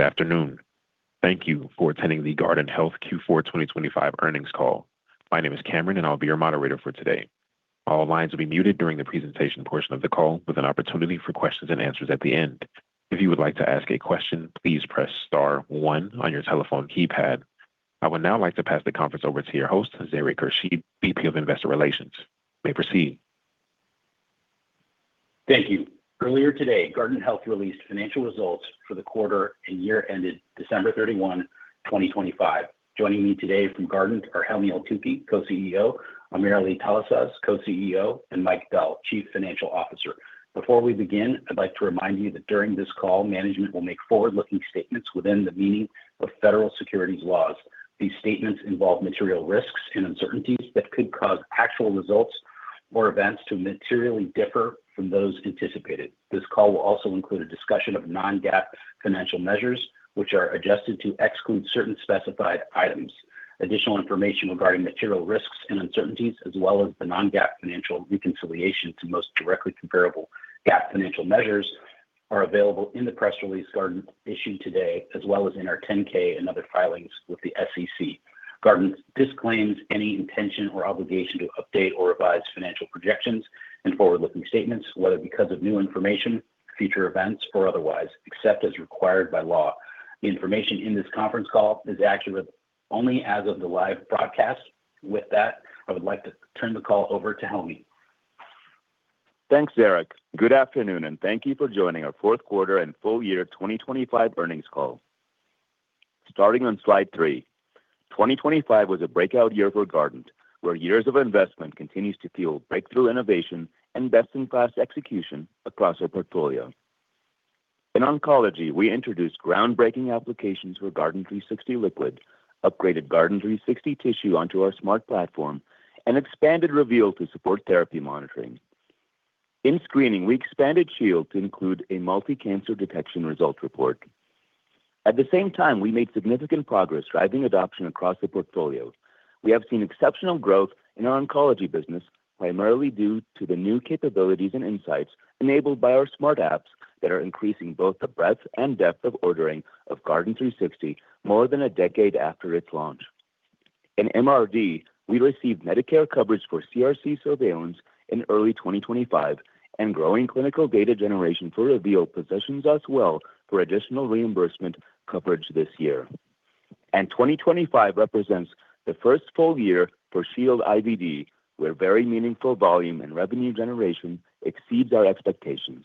Good afternoon. Thank you for attending the Guardant Health Q4 2025 earnings call. My name is Cameron, and I'll be your moderator for today. All lines will be muted during the presentation portion of the call, with an opportunity for questions and answers at the end. If you would like to ask a question, please press star one on your telephone keypad. I would now like to pass the conference over to your host, Eric Hershey, VP of Investor Relations. You may proceed. Thank you. Earlier today, Guardant Health released financial results for the quarter and year ended December 31st, 2025. Joining me today from Guardant are Helmy Eltoukhy, Co-CEO, AmirAli Talasaz, Co-CEO, and Mike Bell, Chief Financial Officer. Before we begin, I'd like to remind you that during this call, management will make forward-looking statements within the meaning of federal securities laws. These statements involve material risks and uncertainties that could cause actual results or events to materially differ from those anticipated. This call will also include a discussion of non-GAAP financial measures, which are adjusted to exclude certain specified items. Additional information regarding material risks and uncertainties, as well as the non-GAAP financial reconciliation to most directly comparable GAAP financial measures, are available in the press release Guardant issued today, as well as in our 10-K and other filings with the SEC. Guardant disclaims any intention or obligation to update or revise financial projections and forward-looking statements, whether because of new information, future events, or otherwise, except as required by law. The information in this conference call is accurate only as of the live broadcast. With that, I would like to turn the call over to Helmy. Thanks, Eric. Good afternoon, and thank you for joining our Q4 and full year 2025 earnings call. Starting on slide three. 2025 was a breakout year for Guardant, where years of investment continues to fuel breakthrough innovation and best-in-class execution across our portfolio. In oncology, we introduced groundbreaking applications for Guardant360 Liquid, upgraded Guardant360 Tissue onto our Smart platform, and expanded Reveal to support therapy monitoring. In screening, we expanded Shield to include a multi-cancer detection result report. At the same time, we made significant progress driving adoption across the portfolio. We have seen exceptional growth in our oncology business, primarily due to the new capabilities and insights enabled by our Smart apps that are increasing both the breadth and depth of ordering of Guardant360 more than a decade after its launch. In MRD, we received Medicare coverage for CRC surveillance in early 2025, and growing clinical data generation for Reveal positions us well for additional reimbursement coverage this year. 2025 represents the first full year for Shield IVD, where very meaningful volume and revenue generation exceeds our expectations.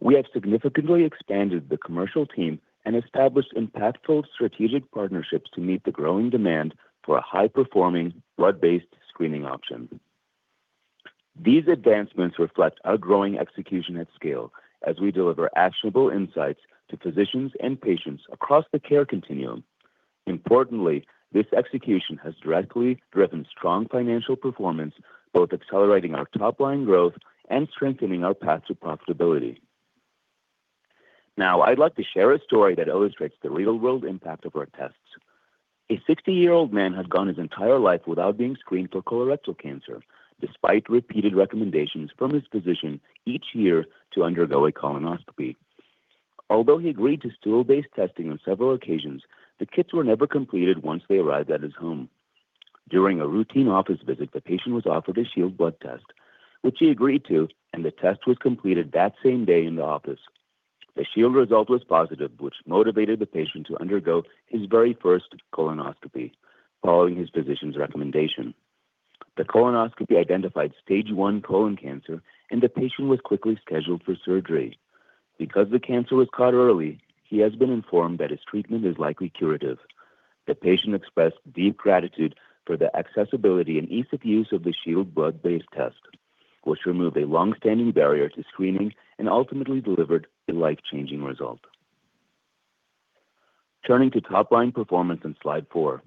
We have significantly expanded the commercial team and established impactful strategic partnerships to meet the growing demand for a high-performing, blood-based screening option. These advancements reflect our growing execution at scale as we deliver actionable insights to physicians and patients across the care continuum. Importantly, this execution has directly driven strong financial performance, both accelerating our top-line growth and strengthening our path to profitability. Now, I'd like to share a story that illustrates the real-world impact of our tests. A 60-year-old man had gone his entire life without being screened for colorectal cancer, despite repeated recommendations from his physician each year to undergo a colonoscopy. Although he agreed to stool-based testing on several occasions, the kits were never completed once they arrived at his home. During a routine office visit, the patient was offered a Shield blood test, which he agreed to, and the test was completed that same day in the office. The Shield result was positive, which motivated the patient to undergo his very first colonoscopy, following his physician's recommendation. The colonoscopy identified stage 1 colon cancer, and the patient was quickly scheduled for surgery. Because the cancer was caught early, he has been informed that his treatment is likely curative. The patient expressed deep gratitude for the accessibility and ease of use of the Shield blood-based test, which removed a long-standing barrier to screening and ultimately delivered a life-changing result. Turning to top-line performance on slide four,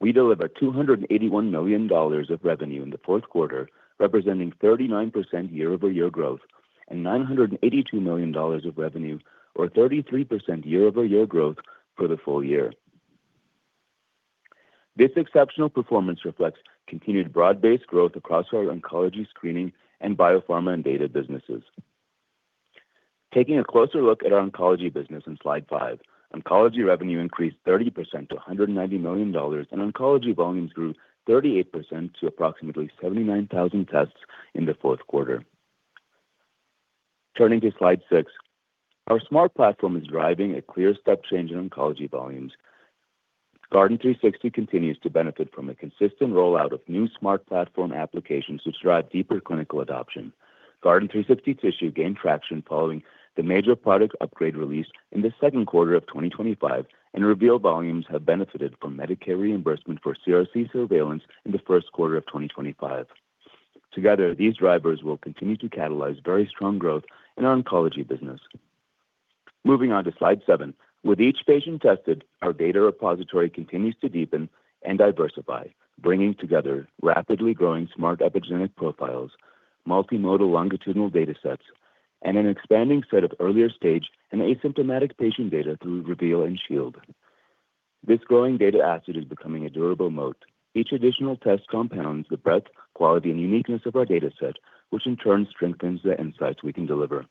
we delivered $281 million of revenue in the Q4, representing 39% year-over-year growth, and $982 million of revenue or 33% year-over-year growth for the full year. This exceptional performance reflects continued broad-based growth across our oncology screening and biopharma and data businesses. Taking a closer look at our oncology business in slide five, oncology revenue increased 30% to $190 million, and oncology volumes grew 38% to approximately 79,000 tests in the Q4. Turning to slide six, our Smart platform is driving a clear step change in oncology volumes. Guardant360 continues to benefit from a consistent rollout of new Smart Platform applications, which drive deeper clinical adoption. Guardant360 Tissue gained traction following the major product upgrade released in the Q2 of 2025, and Reveal volumes have benefited from Medicare reimbursement for CRC surveillance in the Q1 of 2025. Together, these drivers will continue to catalyze very strong growth in our oncology business. Moving on to slide seven. With each patient tested, our data repository continues to deepen and diversify, bringing together rapidly growing Smart epigenetic profiles, multimodal longitudinal data sets, and an expanding set of earlier stage and asymptomatic patient data through Reveal and Shield. This growing data asset is becoming a durable moat. Each additional test compounds the breadth, quality, and uniqueness of our data set, which in turn strengthens the insights we can deliver.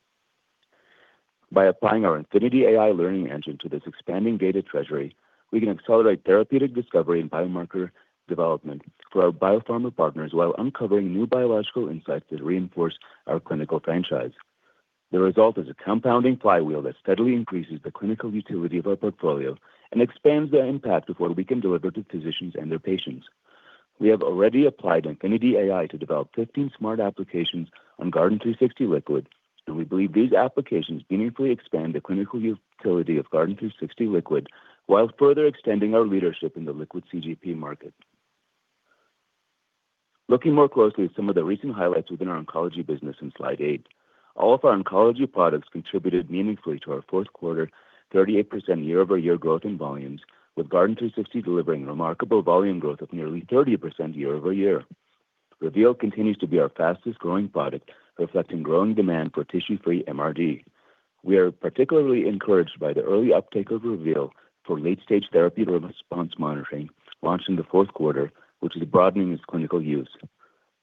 By applying our Infinity AI learning engine to this expanding data treasury, we can accelerate therapeutic discovery and biomarker development to our biopharma partners while uncovering new biological insights that reinforce our clinical franchise. The result is a compounding flywheel that steadily increases the clinical utility of our portfolio and expands the impact of what we can deliver to physicians and their patients. We have already applied Infinity AI to develop 15 smart applications on Guardant360 Liquid, and we believe these applications meaningfully expand the clinical utility of Guardant360 Liquid, while further extending our leadership in the liquid CGP market. Looking more closely at some of the recent highlights within our oncology business in slide eight, all of our oncology products contributed meaningfully to our Q4, 38% year-over-year growth in volumes, with Guardant360 delivering remarkable volume growth of nearly 30% year-over-year. Reveal continues to be our fastest-growing product, reflecting growing demand for tissue-free MRD. We are particularly encouraged by the early uptake of Reveal for late-stage therapeutic response monitoring, launched in the Q4, which is broadening its clinical use.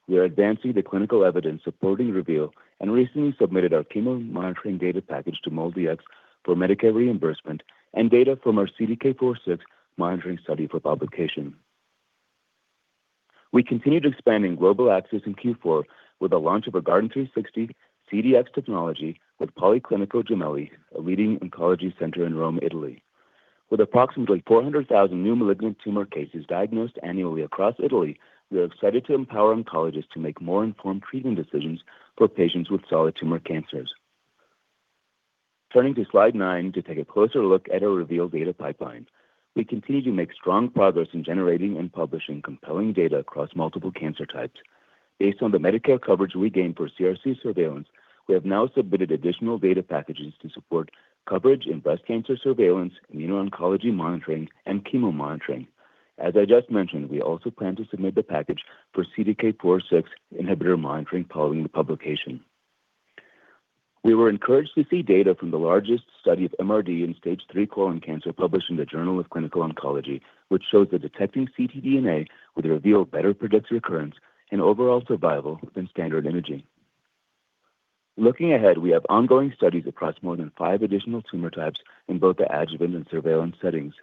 We are advancing the clinical evidence supporting Reveal and recently submitted our chemo monitoring data package to MolDX for Medicare reimbursement and data from our CDK4/6 monitoring study for publication. We continued expanding global access in Q4 with the launch of a Guardant360 CDx technology with Policlinico Gemelli, a leading oncology center in Rome, Italy. With approximately 400,000 new malignant tumor cases diagnosed annually across Italy, we are excited to empower oncologists to make more informed treatment decisions for patients with solid tumor cancers. Turning to slide 9 to take a closer look at our Reveal data pipeline. We continue to make strong progress in generating and publishing compelling data across multiple cancer types. Based on the Medicare coverage we gained for CRC surveillance, we have now submitted additional data packages to support coverage in breast cancer surveillance, immuno-oncology monitoring, and chemo monitoring. As I just mentioned, we also plan to submit the package for CDK4/6 inhibitor monitoring following the publication. We were encouraged to see data from the largest study of MRD in Stage III colon cancer published in the Journal of Clinical Oncology, which shows that detecting ctDNA with Reveal better predicts recurrence and overall survival than standard imaging. Looking ahead, we have ongoing studies across more than five additional tumor types in both the adjuvant and surveillance settings.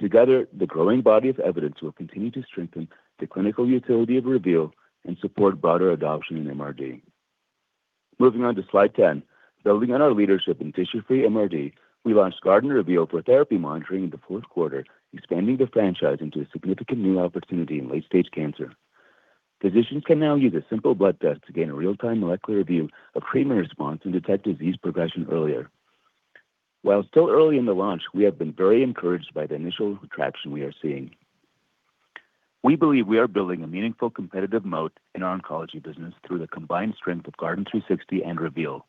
Together, the growing body of evidence will continue to strengthen the clinical utility of Reveal and support broader adoption in MRD. Moving on to slide 10. Building on our leadership in tissue-free MRD, we launched Guardant Reveal for therapy monitoring in the Q4, expanding the franchise into a significant new opportunity in late-stage cancer. Physicians can now use a simple blood test to gain a real-time molecular view of treatment response and detect disease progression earlier. While still early in the launch, we have been very encouraged by the initial traction we are seeing. We believe we are building a meaningful competitive moat in our oncology business through the combined strength of Guardant360 and Reveal.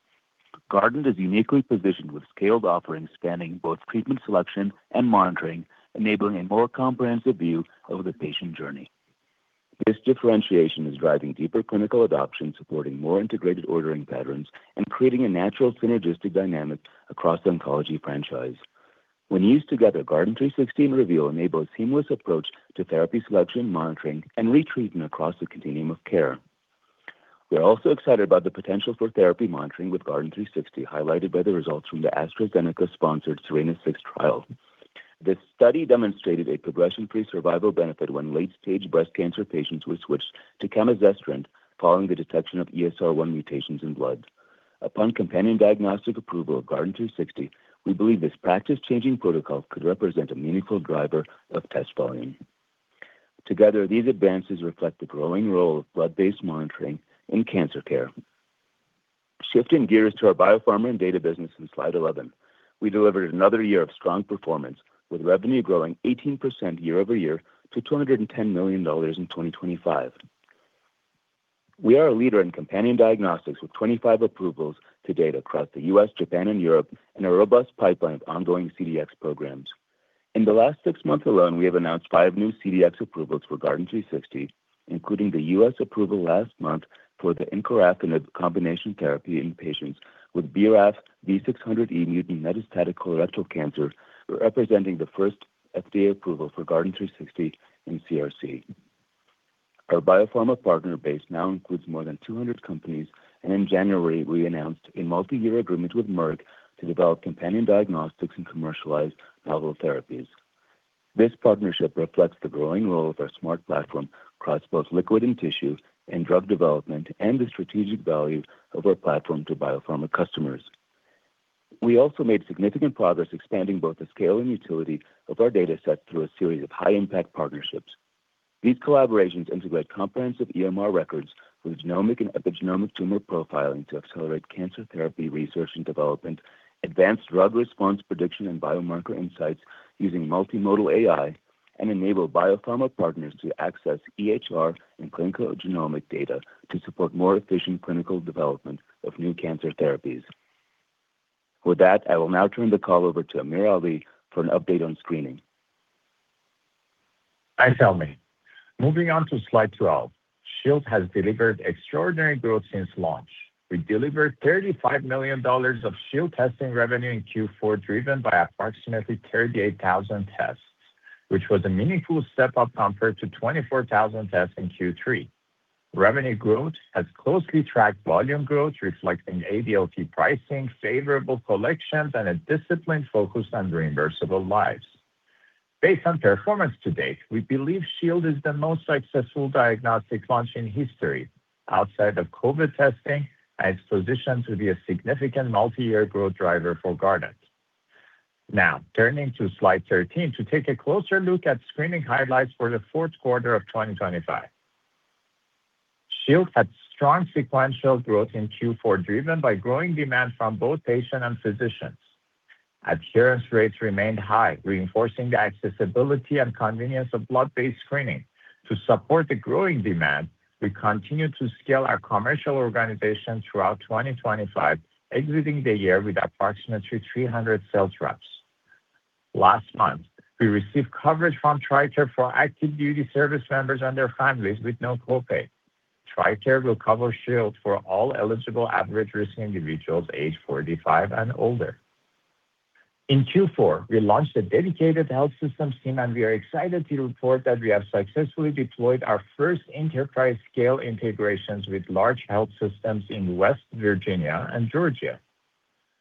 Guardant is uniquely positioned with scaled offerings spanning both treatment selection and monitoring, enabling a more comprehensive view of the patient journey. This differentiation is driving deeper clinical adoption, supporting more integrated ordering patterns, and creating a natural synergistic dynamic across the oncology franchise. When used together, Guardant360 and Reveal enable a seamless approach to therapy selection, monitoring, and retreatment across the continuum of care. We are also excited about the potential for therapy monitoring with Guardant360, highlighted by the results from the AstraZeneca-sponsored SERENA-6 trial. This study demonstrated a progression-free survival benefit when late-stage breast cancer patients were switched to camizestrant following the detection of ESR1 mutations in blood. Upon companion diagnostic approval of Guardant360, we believe this practice-changing protocol could represent a meaningful driver of test volume. Together, these advances reflect the growing role of blood-based monitoring in cancer care. Shifting gears to our biopharma and data business in slide 11, we delivered another year of strong performance, with revenue growing 18% year-over-year to $210 million in 2025. We are a leader in companion diagnostics, with 25 approvals to date across the U.S., Japan, and Europe, and a robust pipeline of ongoing CDx programs. In the last six months alone, we have announced five new CDx approvals for Guardant360, including the U.S. approval last month for the encorafenib combination therapy in patients with BRAF V600E mutant metastatic colorectal cancer, representing the first FDA approval for Guardant360 in CRC. Our biopharma partner base now includes more than 200 companies, and in January, we announced a multi-year agreement with Merck to develop companion diagnostics and commercialize novel therapies. This partnership reflects the growing role of our Smart platform across both liquid and tissue and drug development and the strategic value of our platform to biopharma customers. We also made significant progress expanding both the scale and utility of our data set through a series of high-impact partnerships. These collaborations integrate comprehensive EMR records with genomic and epigenomic tumor profiling to accelerate cancer therapy, research, and development, advanced drug response prediction and biomarker insights using multimodal AI, and enable biopharma partners to access EHR and clinical genomic data to support more efficient clinical development of new cancer therapies. With that, I will now turn the call over to Amir Ali for an update on screening. Thanks, Helmy. Moving on to slide 12. Shield has delivered extraordinary growth since launch. We delivered $35 million of Shield testing revenue in Q4, driven by approximately 38,000 tests, which was a meaningful step-up compared to 24,000 tests in Q3. Revenue growth has closely tracked volume growth, reflecting ADLT pricing, favorable collections, and a disciplined focus on reimbursable lives. Based on performance to date, we believe Shield is the most successful diagnostic launch in history outside of COVID testing, and it's positioned to be a significant multi-year growth driver for Guardant. Now, turning to slide 13 to take a closer look at screening highlights for the Q4 of 2025. Shield had strong sequential growth in Q4, driven by growing demand from both patients and physicians. Adherence rates remained high, reinforcing the accessibility and convenience of blood-based screening. To support the growing demand, we continued to scale our commercial organization throughout 2025, exiting the year with approximately 300 sales reps. Last month, we received coverage from TRICARE for active duty service members and their families with no copay. TRICARE will cover Shield for all eligible average-risk individuals aged 45 and older. In Q4, we launched a dedicated health system team, and we are excited to report that we have successfully deployed our first enterprise-scale integrations with large health systems in West Virginia and Georgia.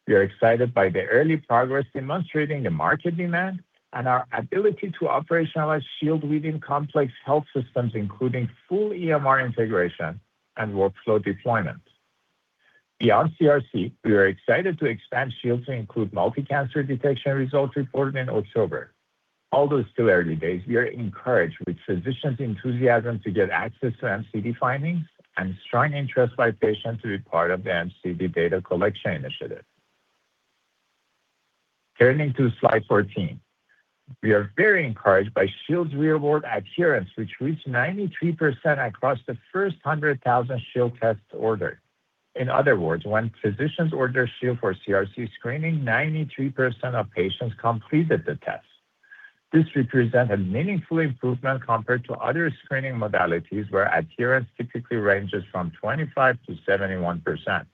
We are excited by the early progress demonstrating the market demand and our ability to operationalize Shield within complex health systems, including full EMR integration and workflow deployment. Beyond CRC, we are excited to expand Shield to include multi-cancer detection results reported in October. Although it's still early days, we are encouraged with physicians' enthusiasm to get access to MCD findings and strong interest by patients to be part of the MCD data collection initiative. Turning to slide 14. We are very encouraged by Shield's real-world adherence, which reached 93% across the first 100,000 Shield tests ordered. In other words, when physicians order Shield for CRC screening, 93% of patients completed the test. This represents a meaningful improvement compared to other screening modalities, where adherence typically ranges from 25%-71%.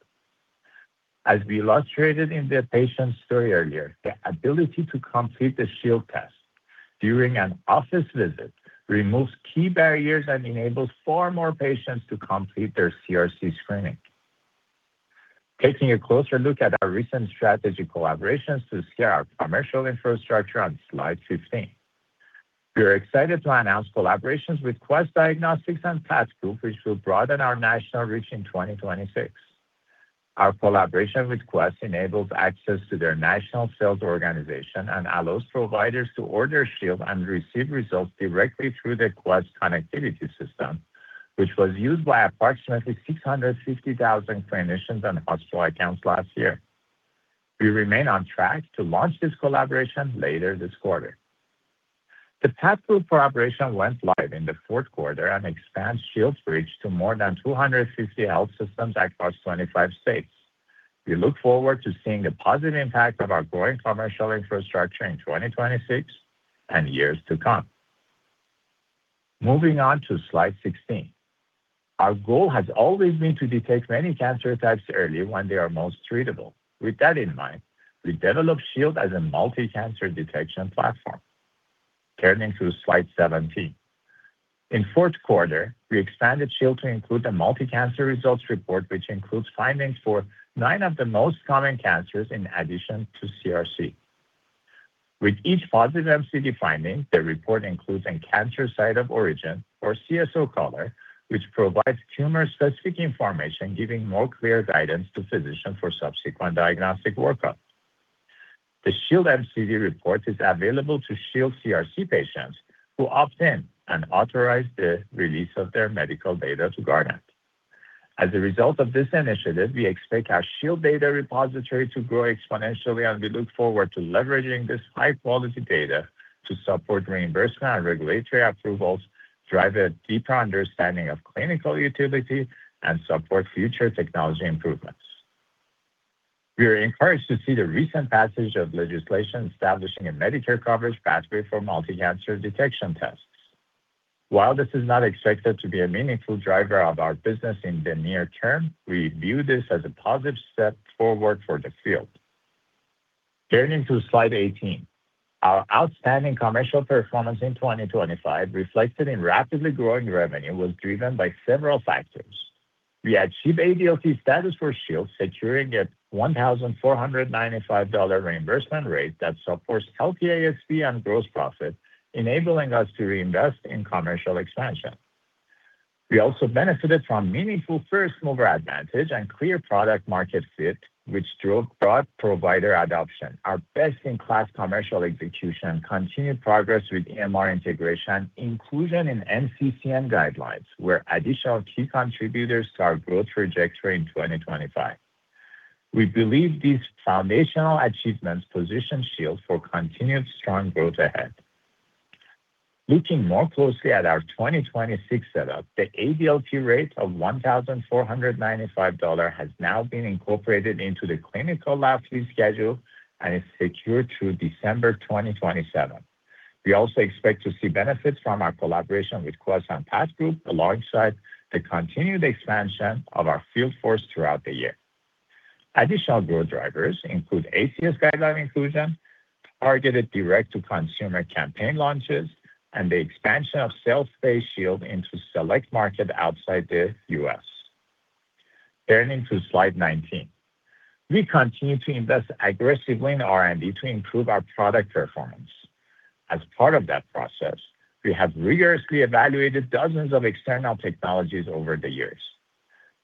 As we illustrated in the patient story earlier, the ability to complete the Shield test during an office visit removes key barriers and enables far more patients to complete their CRC screening. Taking a closer look at our recent strategic collaborations to scale our commercial infrastructure on slide 15. We are excited to announce collaborations with Quest Diagnostics and PathGroup, which will broaden our national reach in 2026. Our collaboration with Quest enables access to their national sales organization and allows providers to order Shield and receive results directly through the Quest Connectivity System, which was used by approximately 650,000 clinicians and hospital accounts last year. We remain on track to launch this collaboration later this quarter. The PathGroup cooperation went live in the Q4 and expands Shield's reach to more than 250 health systems across 25 states. We look forward to seeing the positive impact of our growing commercial infrastructure in 2026 and years to come. Moving on to slide 16. Our goal has always been to detect many cancer types early when they are most treatable. With that in mind, we developed Shield as a multi-cancer detection platform. Turning to slide 17. In Q4, we expanded Shield to include a multi-cancer results report, which includes findings for nine of the most common cancers in addition to CRC. With each positive MCD finding, the report includes a cancer site of origin or CSO caller, which provides tumor-specific information, giving more clear guidance to physicians for subsequent diagnostic workup. The Shield MCD report is available to Shield CRC patients who opt in and authorize the release of their medical data to Guardant. As a result of this initiative, we expect our Shield data repository to grow exponentially, and we look forward to leveraging this high-quality data to support reimbursement and regulatory approvals, drive a deeper understanding of clinical utility, and support future technology improvements. We are encouraged to see the recent passage of legislation establishing a Medicare coverage pathway for multi-cancer detection tests. While this is not expected to be a meaningful driver of our business in the near term, we view this as a positive step forward for the field. Turning to slide 18. Our outstanding commercial performance in 2025, reflected in rapidly growing revenue, was driven by several factors. We achieved ADLT status for Shield, securing a $1,495 reimbursement rate that supports healthy ASP and gross profit, enabling us to reinvest in commercial expansion. We also benefited from meaningful first-mover advantage and clear product market fit, which drove broad provider adoption. Our best-in-class commercial execution, continued progress with EMR integration, inclusion in NCCN guidelines, were additional key contributors to our growth trajectory in 2025. We believe these foundational achievements position Shield for continued strong growth ahead. Looking more closely at our 2026 setup, the ADLT rate of $1,495 has now been incorporated into the clinical lab fee schedule and is secured through December 2027. We also expect to see benefits from our collaboration with PathGroup, alongside the continued expansion of our field force throughout the year. Additional growth drivers include ACS guideline inclusion, targeted direct-to-consumer campaign launches, and the expansion of self-pay Shield into select market outside the U.S. Turning to slide 19. We continue to invest aggressively in R&D to improve our product performance. As part of that process, we have rigorously evaluated dozens of external technologies over the years.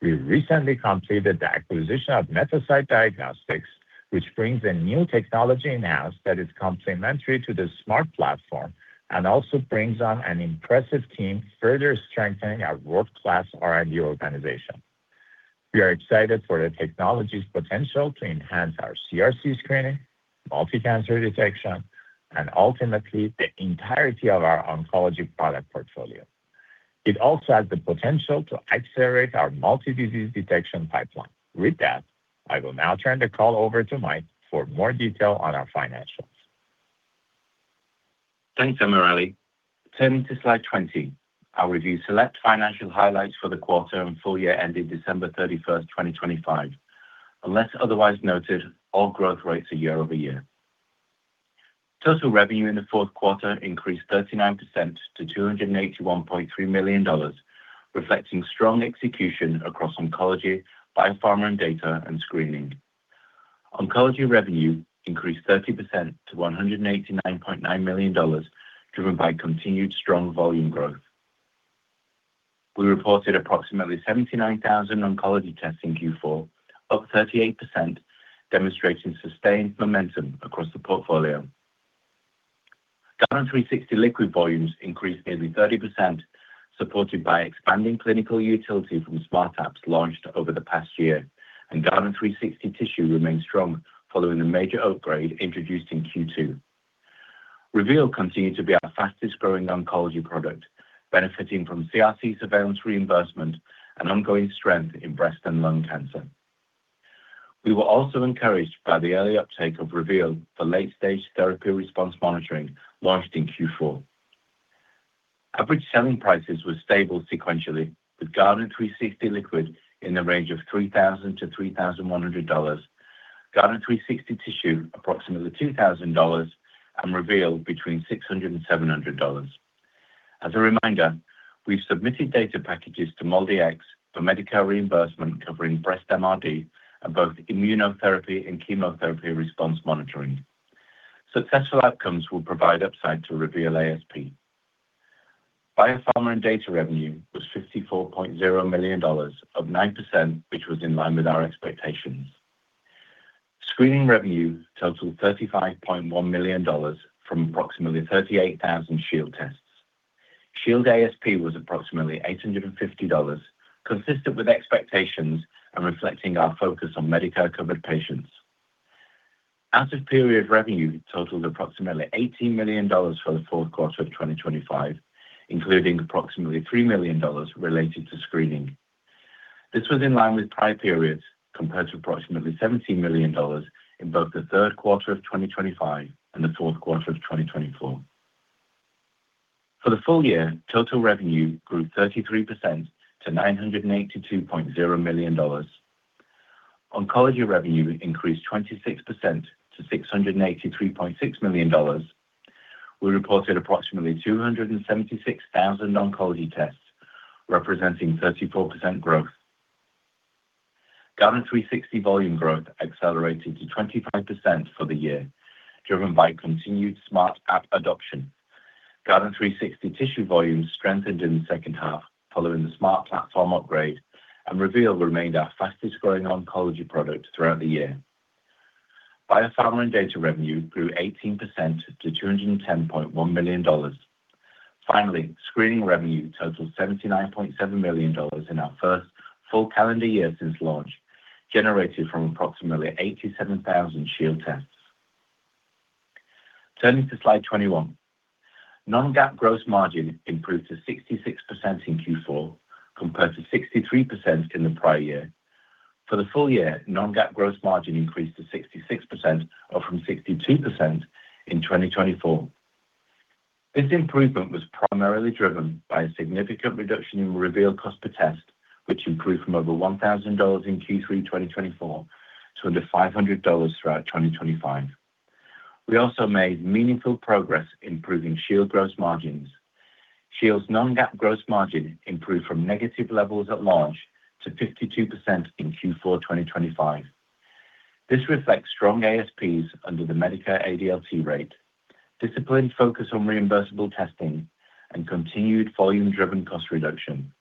We recently completed the acquisition of MetaSyte Diagnostics, which brings a new technology in-house that is complementary to the Smart Platform and also brings on an impressive team, further strengthening our world-class R&D organization. We are excited for the technology's potential to enhance our CRC screening, multi-cancer detection, and ultimately, the entirety of our oncology product portfolio. It also has the potential to accelerate our multi-disease detection pipeline. With that, I will now turn the call over to Mike for more detail on our financials. Thanks, AmirAli. Turning to slide 20, I'll review select financial highlights for the quarter and full year ending December 31, 2025. Unless otherwise noted, all growth rates are year-over-year. Total revenue in the Q4 increased 39% to $281.3 million, reflecting strong execution across oncology, biopharma and data, and screening. Oncology revenue increased 30% to $189.9 million, driven by continued strong volume growth. We reported approximately 79,000 oncology tests in Q4, up 38%, demonstrating sustained momentum across the portfolio. Guardant360 Liquid volumes increased nearly 30%, supported by expanding clinical utility from Smart apps launched over the past year, and Guardant360 Tissue remains strong following a major upgrade introduced in Q2. Reveal continued to be our fastest-growing oncology product, benefiting from CRC surveillance reimbursement and ongoing strength in breast and lung cancer. We were also encouraged by the early uptake of Reveal for late-stage therapy response monitoring launched in Q4. Average selling prices were stable sequentially, with Guardant360 Liquid in the range of $3,000-$3,100, Guardant360 Tissue approximately $2,000, and Reveal between $600-$700. As a reminder, we've submitted data packages to MolDX for Medicare reimbursement, covering breast MRD and both immunotherapy and chemotherapy response monitoring. Successful outcomes will provide upside to Reveal ASP. Biopharma and data revenue was $54.0 million, up 9%, which was in line with our expectations. Screening revenue totaled $35.1 million from approximately 38,000 Shield tests. Shield ASP was approximately $850, consistent with expectations and reflecting our focus on Medicare-covered patients. Out-of-period revenue totaled approximately $18 million for the Q4 of 2025, including approximately $3 million related to screening. This was in line with prior periods, compared to approximately $17 million in both the Q3 of 2025 and the Q4 of 2024. For the full year, total revenue grew 33% to $982.0 million. Oncology revenue increased 26% to $683.6 million. We reported approximately 276,000 oncology tests, representing 34% growth. Guardant360 volume growth accelerated to 25% for the year, driven by continued Smart app adoption. Guardant360 Tissue volumes strengthened in the H2 following the Smart Platform upgrade, and Reveal remained our fastest-growing oncology product throughout the year. Biopharma and data revenue grew 18% to $210.1 million. Finally, screening revenue totaled $79.7 million in our first full calendar year since launch, generated from approximately 87,000 Shield tests. Turning to Slide 21. Non-GAAP gross margin improved to 66% in Q4, compared to 63% in the prior year. For the full year, non-GAAP gross margin increased to 66%, up from 62% in 2024. This improvement was primarily driven by a significant reduction in Reveal cost per test, which improved from over $1,000 in Q3 2024 to under $500 throughout 2025. We also made meaningful progress improving Shield gross margins. Shield's non-GAAP gross margin improved from negative levels at launch to 52% in Q4 2025. This reflects strong ASPs under the Medicare ADLT rate, disciplined focus on reimbursable testing, and continued volume-driven cost reduction.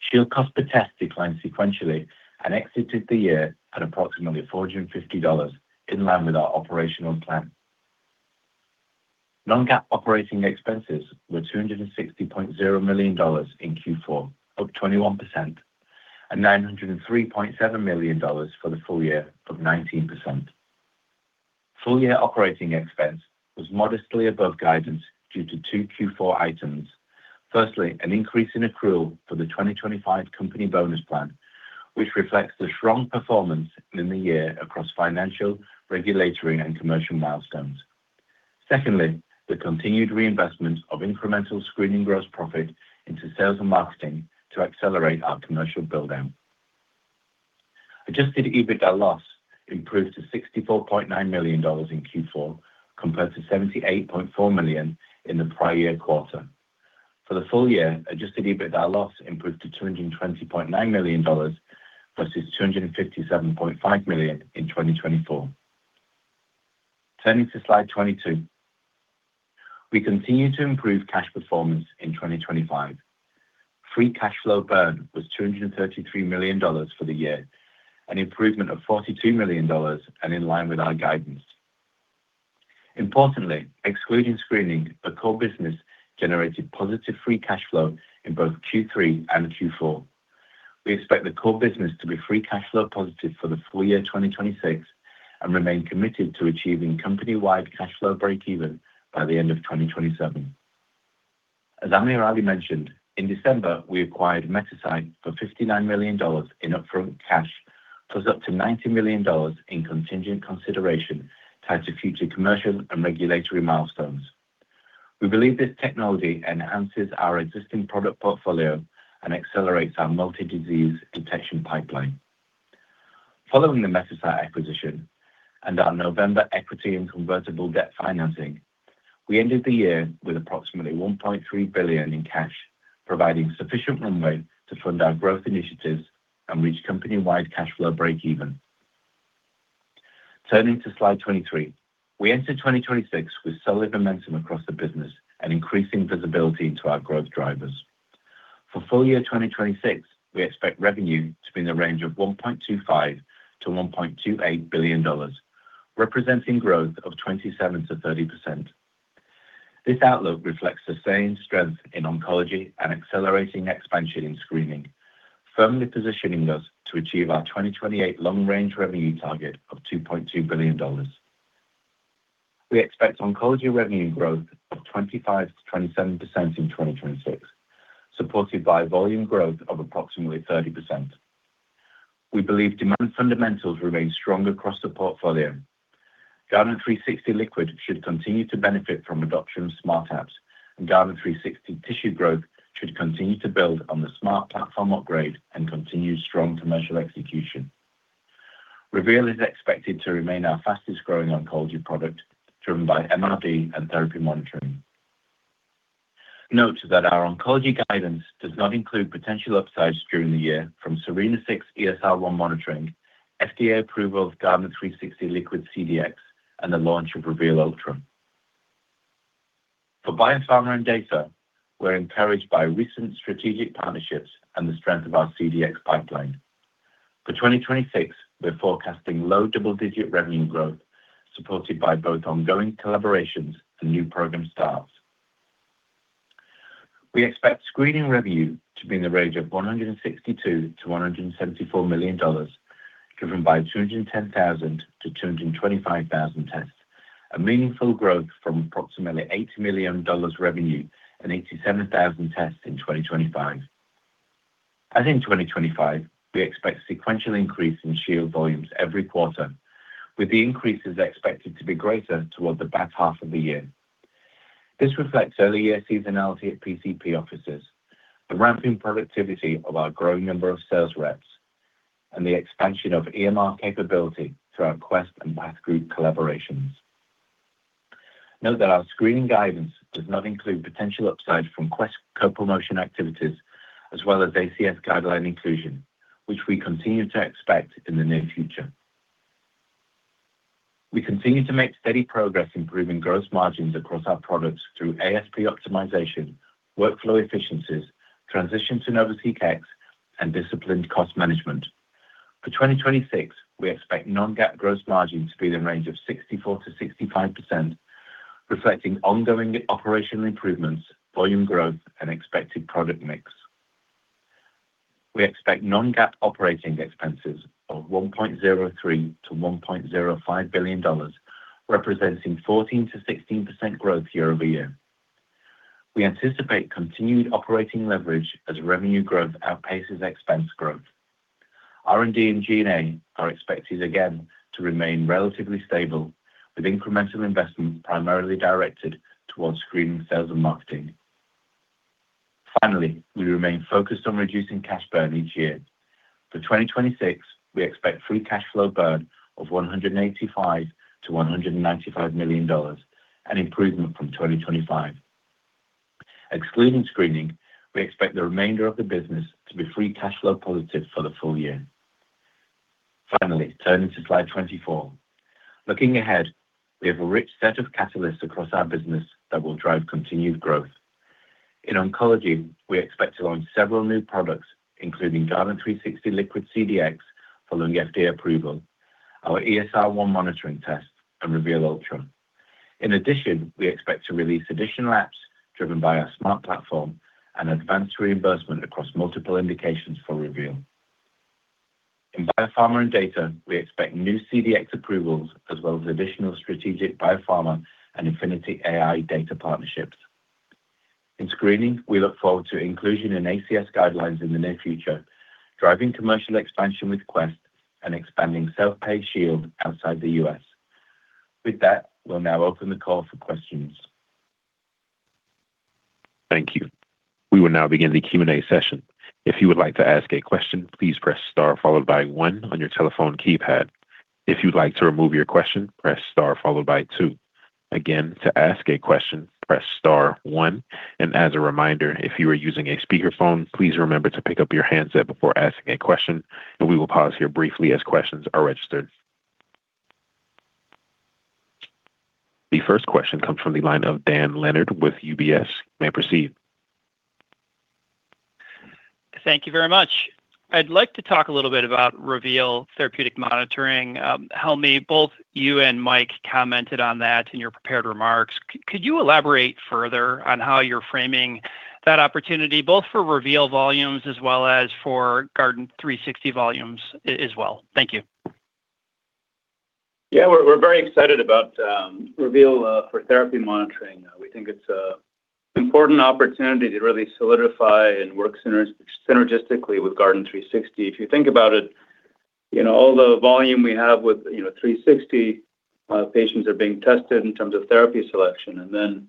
Shield cost per test declined sequentially and exited the year at approximately $450, in line with our operational plan. Non-GAAP operating expenses were $260.0 million in Q4, up 21%, and $903.7 million for the full year, up 19%. Full-year operating expense was modestly above guidance due to two Q4 items. First, an increase in accrual for the 2025 company bonus plan, which reflects the strong performance in the year across financial, regulatory, and commercial milestones. Second, the continued reinvestment of incremental screening gross profit into sales and marketing to accelerate our commercial build-out. Adjusted EBITDA loss improved to $64.9 million in Q4, compared to $78.4 million in the prior year quarter. For the full year, adjusted EBITDA loss improved to $220.9 million versus $257.5 million in 2024. Turning to slide 22. We continue to improve cash performance in 2025. Free cash flow burn was $233 million for the year, an improvement of $42 million and in line with our guidance. Importantly, excluding screening, the core business generated positive free cash flow in both Q3 and Q4. We expect the core business to be free cash flow positive for the full year 2026, and remain committed to achieving company-wide cash flow breakeven by the end of 2027. As Amir already mentioned, in December, we acquired MetaSyte for $59 million in upfront cash, plus up to $90 million in contingent consideration tied to future commercial and regulatory milestones. We believe this technology enhances our existing product portfolio and accelerates our multi-disease detection pipeline. Following the MetaSyte acquisition and our November equity and convertible debt financing, we ended the year with approximately $1.3 billion in cash, providing sufficient runway to fund our growth initiatives and reach company-wide cash flow breakeven. Turning to slide 23. We enter 2026 with solid momentum across the business and increasing visibility into our growth drivers. For full year 2026, we expect revenue to be in the range of $1.25 billion-$1.28 billion, representing growth of 27%-30%. This outlook reflects the same strength in oncology and accelerating expansion in screening, firmly positioning us to achieve our 2028 long-range revenue target of $2.2 billion. We expect oncology revenue growth of 25%-27% in 2026, supported by volume growth of approximately 30%. We believe demand fundamentals remain strong across the portfolio. Guardant360 Liquid should continue to benefit from adoption of Smart Apps, and Guardant360 Tissue growth should continue to build on the Smart Platform upgrade and continued strong commercial execution. Reveal is expected to remain our fastest-growing oncology product, driven by MRD and therapy monitoring. Note that our oncology guidance does not include potential upsides during the year from SERENA-6 ESR1 monitoring, FDA approval of Guardant360 Liquid CDx, and the launch of Reveal Ultra. For biopharma and data, we're encouraged by recent strategic partnerships and the strength of our CDx pipeline. For 2026, we're forecasting low double-digit revenue growth, supported by both ongoing collaborations and new program starts. We expect screening revenue to be in the range of $162 million-$174 million, driven by 210,000-225,000 tests, a meaningful growth from approximately $80 million revenue and 87,000 tests in 2025. As in 2025, we expect sequential increase in Shield volumes every quarter, with the increases expected to be greater toward the back half of the year. This reflects early year seasonality at PCP offices, the ramping productivity of our growing number of sales reps, and the expansion of EMR capability through our Quest and PathGroup collaborations. Note that our screening guidance does not include potential upside from Quest co-promotion activities as well as ACS guideline inclusion, which we continue to expect in the near future. We continue to make steady progress improving gross margins across our products through ASP optimization, workflow efficiencies, transition to NovaSeq X, and disciplined cost management. For 2026, we expect non-GAAP gross margins to be in the range of 64%-65%, reflecting ongoing operational improvements, volume growth, and expected product mix. We expect non-GAAP operating expenses of $1.03 billion-$1.05 billion, representing 14%-16% growth year over year. We anticipate continued operating leverage as revenue growth outpaces expense growth. R&D and G&A are expected again to remain relatively stable, with incremental investment primarily directed towards screening, sales, and marketing. Finally, we remain focused on reducing cash burn each year. For 2026, we expect free cash flow burn of $185 million-$195 million, an improvement from 2025. Excluding screening, we expect the remainder of the business to be free cash flow positive for the full year. Finally, turning to slide 24. Looking ahead, we have a rich set of catalysts across our business that will drive continued growth. In oncology, we expect to launch several new products, including Guardant360 Liquid CDx for lung FDA approval, our ESR1 monitoring test, and Reveal Ultra. In addition, we expect to release additional apps driven by our Smart Platform and advance reimbursement across multiple indications for Reveal. In biopharma and data, we expect new CDx approvals as well as additional strategic biopharma and Infinity AI data partnerships. In screening, we look forward to inclusion in ACS guidelines in the near future, driving commercial expansion with Quest and expanding self-pay Shield outside the U.S.. With that, we'll now open the call for questions. Thank you. We will now begin the Q&A session. If you would like to ask a question, please press star followed by one on your telephone keypad. If you'd like to remove your question, press star followed by two. Again, to ask a question, press star one, and as a reminder, if you are using a speakerphone, please remember to pick up your handset before asking a question, and we will pause here briefly as questions are registered. The first question comes from the line of Dan Leonard with UBS. You may proceed. Thank you very much. I'd like to talk a little bit about Reveal therapeutic monitoring. Helmy, both you and Mike commented on that in your prepared remarks. Could you elaborate further on how you're framing that opportunity, both for Reveal volumes as well as for Guardant360 volumes as well? Thank you. Yeah, we're very excited about Reveal for therapy monitoring. We think it's a important opportunity to really solidify and work synergistically with Guardant360. If you think about it, you know, all the volume we have with, you know, 360, patients are being tested in terms of therapy selection. And then,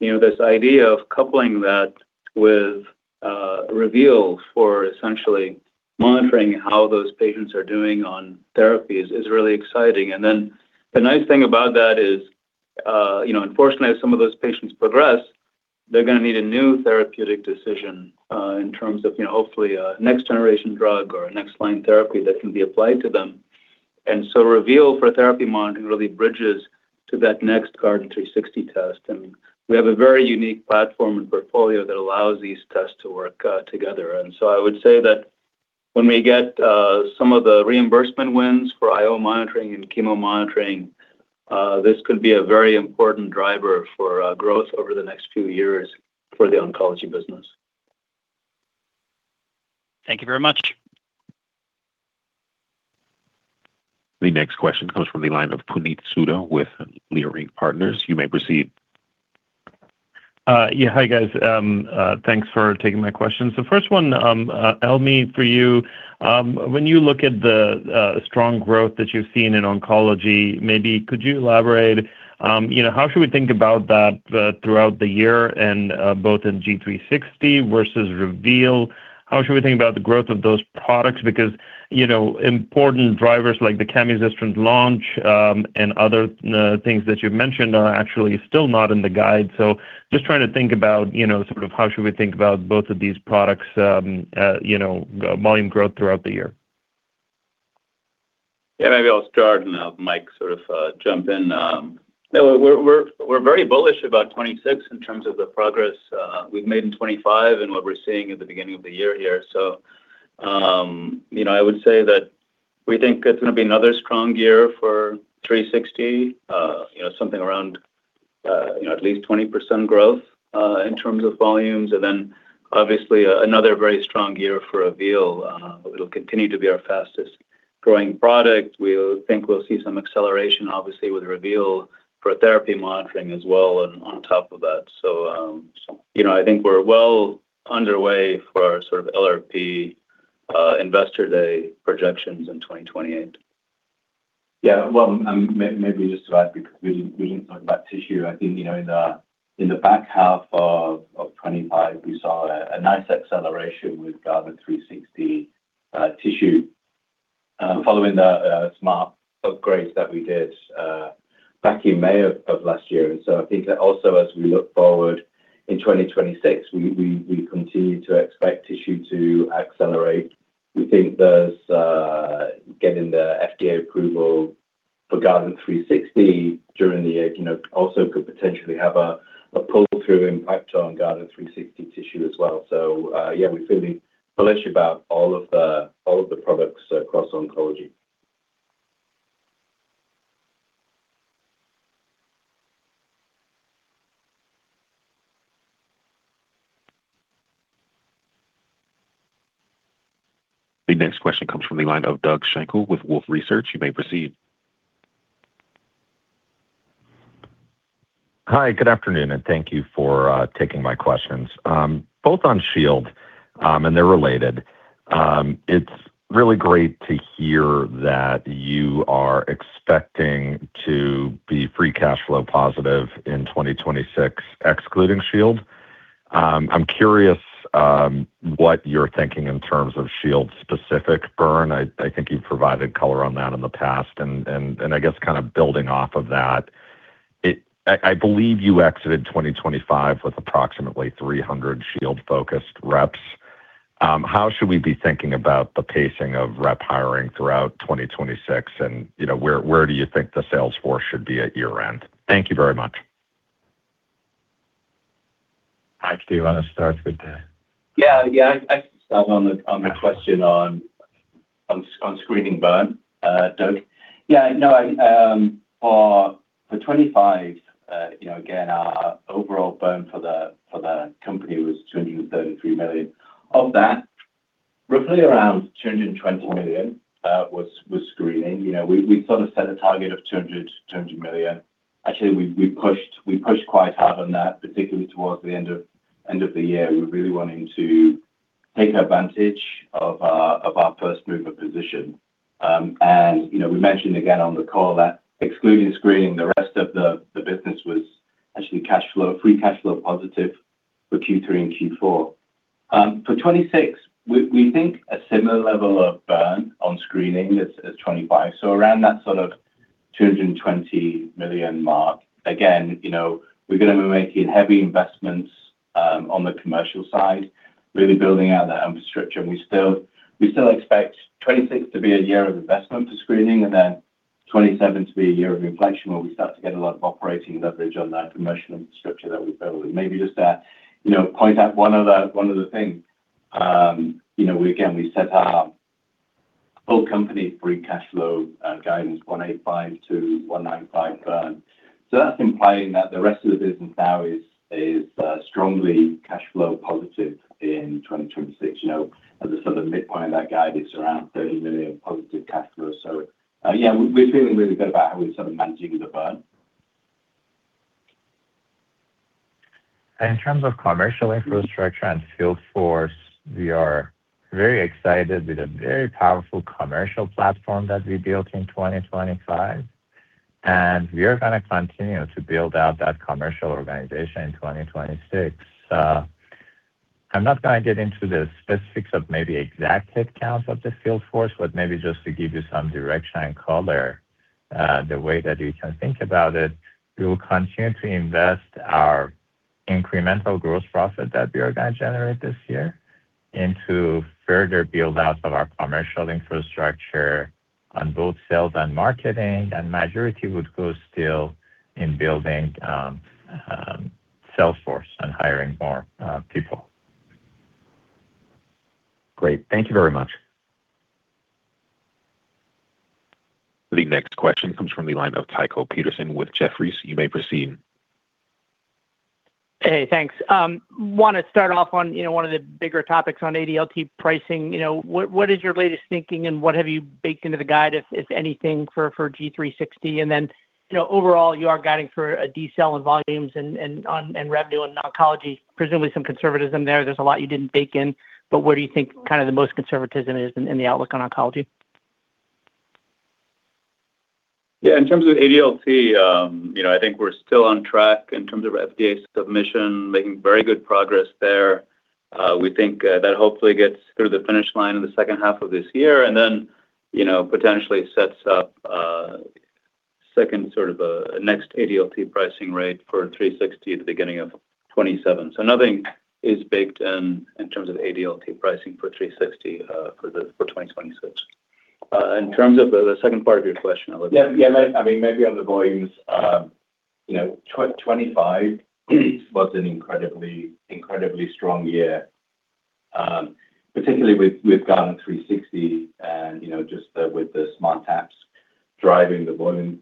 you know, this idea of coupling that with Reveal for essentially monitoring how those patients are doing on therapies is really exciting. And then the nice thing about that is, you know, unfortunately, as some of those patients progress, they're gonna need a new therapeutic decision in terms of, you know, hopefully a next generation drug or a next line therapy that can be applied to them. And so Reveal for therapy monitoring really bridges to that next Guardant360 test, and we have a very unique platform and portfolio that allows these tests to work together. And so I would say that when we get some of the reimbursement wins for IO monitoring and chemo monitoring, this could be a very important driver for growth over the next few years for the oncology business. Thank you very much. The next question comes from the line of Puneet Souda with Leerink Partners. You may proceed. Yeah. Hi, guys. Thanks for taking my questions. So first one, Helmy, for you, when you look at the strong growth that you've seen in oncology, maybe could you elaborate, you know, how should we think about that throughout the year and both in G360 versus Reveal? How should we think about the growth of those products? Because, you know, important drivers like the camizestrant launch and other things that you've mentioned are actually still not in the guide. So just trying to think about, you know, sort of how should we think about both of these products, you know, volume growth throughout the year. Yeah, maybe I'll start, and I'll have Mike sort of jump in. We're very bullish about 2026 in terms of the progress we've made in 2025 and what we're seeing at the beginning of the year here. So, you know, I would say that we think it's gonna be another strong year for Guardant360, you know, something around, you know, at least 20% growth in terms of volumes. And then obviously, another very strong year for Reveal. It'll continue to be our fastest-growing product. We think we'll see some acceleration, obviously, with Reveal for therapy monitoring as well and on top of that. So, you know, I think we're well underway for our sort of LRP Investor Day projections in 2028. Yeah, well, maybe just to add, because we didn't talk about tissue. I think, you know, in the back half of 25, we saw a nice acceleration with Guardant360 Tissue following the Smart upgrades that we did back in May of last year. And so I think that also as we look forward in 2026, we continue to expect tissue to accelerate. We think this getting the FDA approval for Guardant360 during the year, you know, also could potentially have a pull-through impact on Guardant360 Tissue as well. So, yeah, we're feeling bullish about all of the, all of the products across oncology. The next question comes from the line of Doug Schenkel with Wolfe Research. You may proceed. Hi, good afternoon, and thank you for taking my questions. Both on Shield, and they're related. It's really great to hear that you are expecting to be free cash flow positive in 2026, excluding Shield. I'm curious, what you're thinking in terms of Shield's specific burn. I think you've provided color on that in the past and I guess kind of building off of that, I believe you exited 2025 with approximately 300 Shield-focused reps. How should we be thinking about the pacing of rep hiring throughout 2026, and, you know, where do you think the sales force should be at year-end? Thank you very much. Mike, do you want to start with the— Yeah. Yeah, I start on the question on screening burn, Doug. Yeah. No, for 2025, you know, again, our overall burn for the company was $233 million. Of that, roughly around $220 million was screening. You know, we sort of set a target of $200 million. Actually, we pushed quite hard on that, particularly towards the end of the year. We're really wanting to take advantage of our first mover position. And, you know, we mentioned again on the call that excluding screening, the rest of the business was actually cash flow free cash flow positive for Q3 and Q4. For 2026, we think a similar level of burn on screening as 2025, so around that sort of $220 million mark. Again, you know, we're gonna be making heavy investments on the commercial side, really building out that infrastructure. And we still, we still expect 2026 to be a year of investment for screening and then 2027 to be a year of inflection, where we start to get a lot of operating leverage on that commercial infrastructure that we've built. And maybe just that, you know, point out one other, one other thing, you know, we again, we set our whole company free cash flow guidance $185 million-$195 million burn. So that's implying that the rest of the business now is, is, strongly cash flow positive in 2026, you know, at the sort of midpoint of that guidance around $30 million positive cash flow. So, yeah, we're feeling really good about how we're sort of managing the burn. In terms of commercial infrastructure and field force, we are very excited with a very powerful commercial platform that we built in 2025, and we are gonna continue to build out that commercial organization in 2026. I'm not gonna get into the specifics of maybe exact headcount of the field force, but maybe just to give you some direction and color, the way that you can think about it, we will continue to invest our incremental gross profit that we are gonna generate this year into further build out of our commercial infrastructure on both sales and marketing, and majority would go still in building, sales force and hiring more, people. Great. Thank you very much. The next question comes from the line of Tycho Peterson with Jefferies. You may proceed. Hey, thanks. Want to start off on, you know, one of the bigger topics on ADLT pricing. You know, what, what is your latest thinking, and what have you baked into the guide, if anything, for, for Guardant360? And then, you know, overall, you are guiding for a decel in volumes and, and on, and revenue in oncology. Presumably some conservatism there. There's a lot you didn't bake in, but where do you think kind of the most conservatism is in, in the outlook on oncology? Yeah, in terms of ADLT, you know, I think we're still on track in terms of FDA submission, making very good progress there. We think that hopefully gets through the finish line in the H2 of this year and then, you know, potentially sets up second sort of next ADLT pricing rate for Guardant360 at the beginning of 2027. So nothing is baked in, in terms of ADLT pricing for Guardant360, for 2026. In terms of the second part of your question, I look- Yeah, yeah. I mean, maybe on the volumes, you know, 2025 was an incredibly, incredibly strong year, particularly with, with Guardant360 and, you know, just the, with the smart apps driving the volume,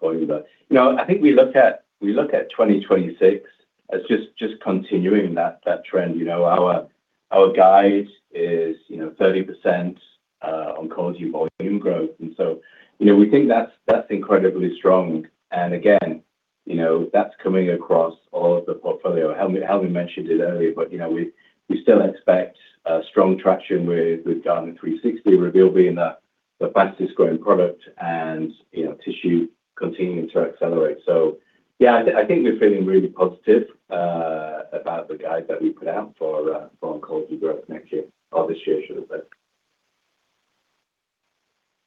volume. But, you know, I think we look at, we look at twenty twenty-six as just, just continuing that, that trend. You know, our guide is, you know, 30%, oncology volume growth. And so, you know, we think, that's incredibly strong. And again, you know, that's coming across all of the portfolio. Helmy mentioned it earlier, but, you know, we still expect, strong traction with, with Guardant360 Reveal being the, the fastest-growing product and, you know, tissue continuing to accelerate. So yeah, I think we're feeling really positive about the guide that we put out for oncology growth next year or this year, I should have said.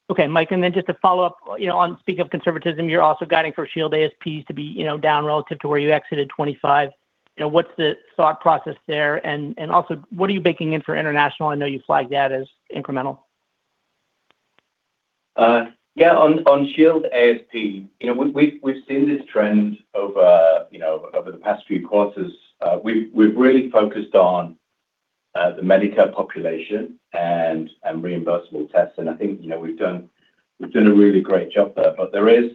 Okay, Mike, and then just to follow up, you know, on speaking of conservatism, you're also guiding for Shield ASPs to be, you know, down relative to where you exited 2025. You know, what's the thought process there? And also, what are you baking in for international? I know you flagged that as incremental. Yeah, on Shield ASP, you know, we've seen this trend over the past few quarters. We've really focused on the Medicare population and reimbursable tests, and I think, you know, we've done a really great job there. But there is,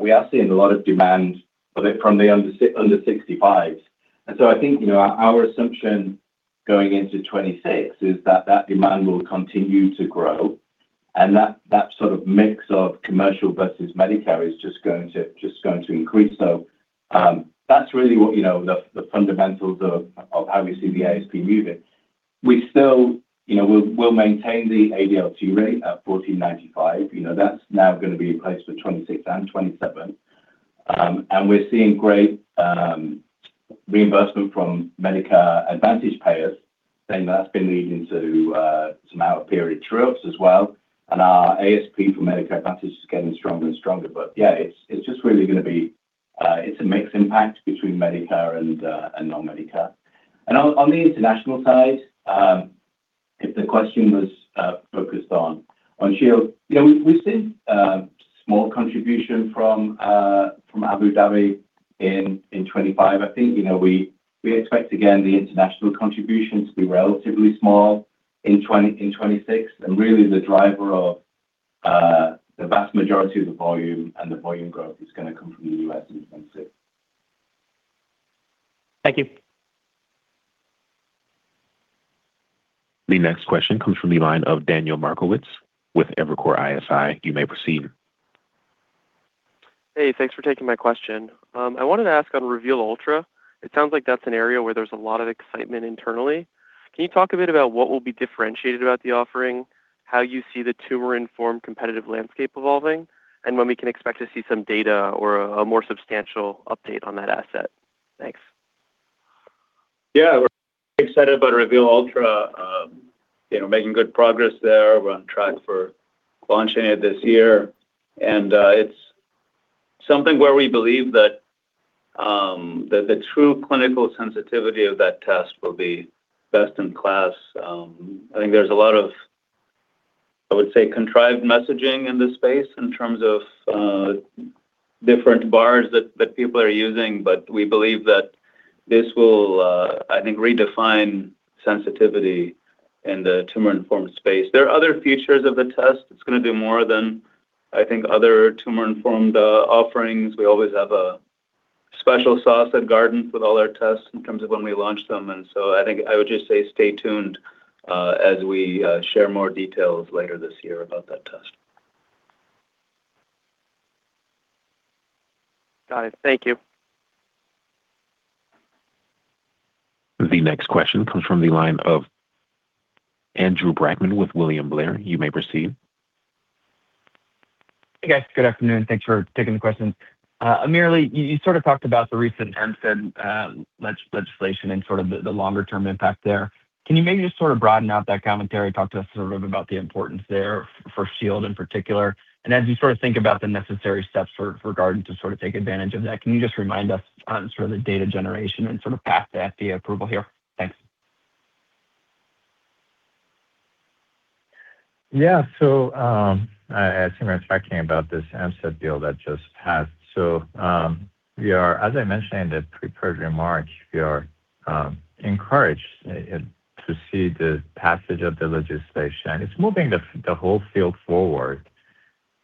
we are seeing a lot of demand for it from the under 65s. And so I think, you know, our assumption going into 2026 is that demand will continue to grow, and that sort of mix of commercial versus Medicare is just going to increase. So, that's really what, you know, the fundamentals of how we see the ASP moving. We still, you know, we'll maintain the ADLT rate at $1,495. You know, that's now gonna be in place for 2026 and 2027. We're seeing great reimbursement from Medicare Advantage payers, and that's been leading to some out-of-period truths as well. Our ASP for Medicare Advantage is getting stronger and stronger. But yeah, it's just really gonna be... It's a mixed impact between Medicare and non-Medicare. On the international side, if the question was focused on Shield, you know, we've seen small contribution from Abu Dhabi in 2025. I think, you know, we expect, again, the international contribution to be relatively small in 2026, and really the driver of the vast majority of the volume and the volume growth is gonna come from the U.S. in 2026. Thank you. The next question comes from the line of Daniel Markowitz with Evercore ISI. You may proceed. Hey, thanks for taking my question. I wanted to ask on Reveal Ultra. It sounds like that's an area where there's a lot of excitement internally. Can you talk a bit about what will be differentiated about the offering, how you see the tumor-informed competitive landscape evolving, and when we can expect to see some data or a more substantial update on that asset? Thanks. Yeah, we're excited about Reveal Ultra, you know, making good progress there. We're on track for launching it this year, and, it's something where we believe that, the true clinical sensitivity of that test will be best in class. I think there's a lot of, I would say, contrived messaging in this space in terms of, different bars that people are using. But we believe that this will, I think, redefine sensitivity in the tumor-informed space. There are other features of the test. It's gonna do more than I think other tumor-informed, offerings. We always have a special sauce at Guardant with all our tests in terms of when we launch them, and so I think I would just say stay tuned, as we, share more details later this year about that test. Got it. Thank you. The next question comes from the line of Andrew Brackman with William Blair. You may proceed. Hey, guys. Good afternoon. Thanks for taking the questions. AmirAli, you, you sort of talked about the recent MCED legislation and sort of the longer-term impact there. Can you maybe just sort of broaden out that commentary, talk to us sort of about the importance there for Shield in particular? And as you sort of think about the necessary steps for Guardant to sort of take advantage of that, can you just remind us on sort of the data generation and sort of path to FDA approval here? Thanks. Yeah. So, as soon as I came about this MCED bill that just passed. So, we are, as I mentioned in the prepared remarks, encouraged to see the passage of the legislation. It's moving the whole field forward,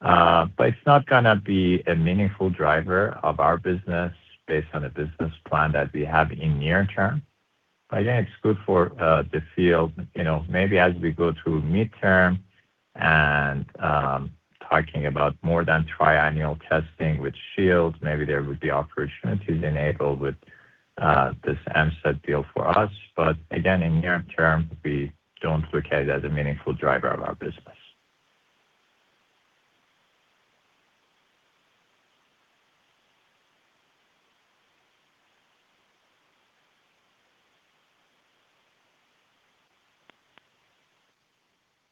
but it's not gonna be a meaningful driver of our business based on the business plan that we have in near term. But again, it's good for the field. You know, maybe as we go through midterm and talking about more than triannual testing with Shield, maybe there would be opportunities enabled with this MCED deal for us. But again, in near term, we don't look at it as a meaningful driver of our business.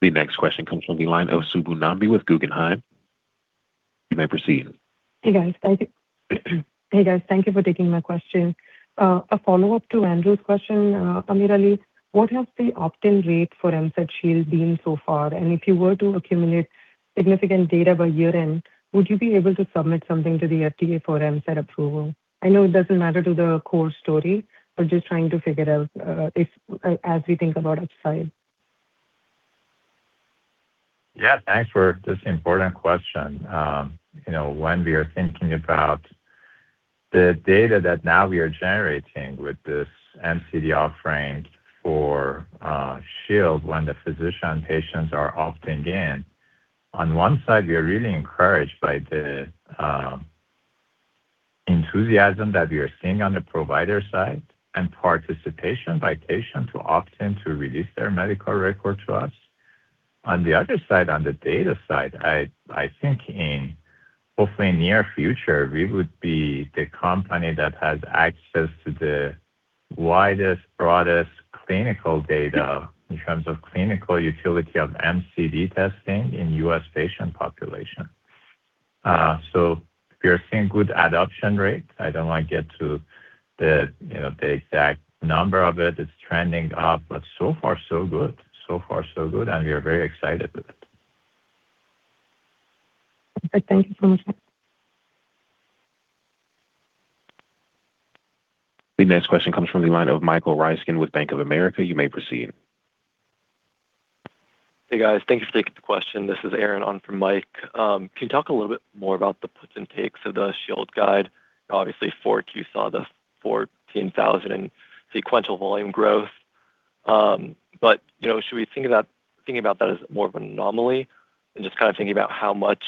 The next question comes from the line of Subbu Nambi with Guggenheim. You may proceed. Hey, guys. Thank you. Hey, guys. Thank you for taking my question. A follow-up to Andrew's question, AmirAli, what has the opt-in rate for MCED Shield been so far? And if you were to accumulate significant data by year-end, would you be able to submit something to the FDA for MCED approval? I know it doesn't matter to the core story, but just trying to figure out if, as we think about upside. Yeah, thanks for this important question. You know, when we are thinking about the data that now we are generating with this MCD offering for Shield, when the physician patients are opting in, on one side, we are really encouraged by the enthusiasm that we are seeing on the provider side, and participation by patients to opt in to release their medical record to us. On the other side, on the data side, I think, hopefully in near future, we would be the company that has access to the widest, broadest clinical data in terms of clinical utility of MCD testing in U.S. patient population. So we are seeing good adoption rate. I don't want to get to the, you know, the exact number of it. It's trending up, but so far so good. So far so good, and we are very excited with it. Thank you so much. The next question comes from the line of Michael Ryskin with Bank of America. You may proceed. Hey, guys. Thank you for taking the question. This is Aaron on from Mike. Can you talk a little bit more about the puts and takes of the Shield guide? Obviously, Q4 saw the 14,000 in sequential volume growth, but, you know, should we think about, think about that as more of an anomaly and just kind of thinking about how much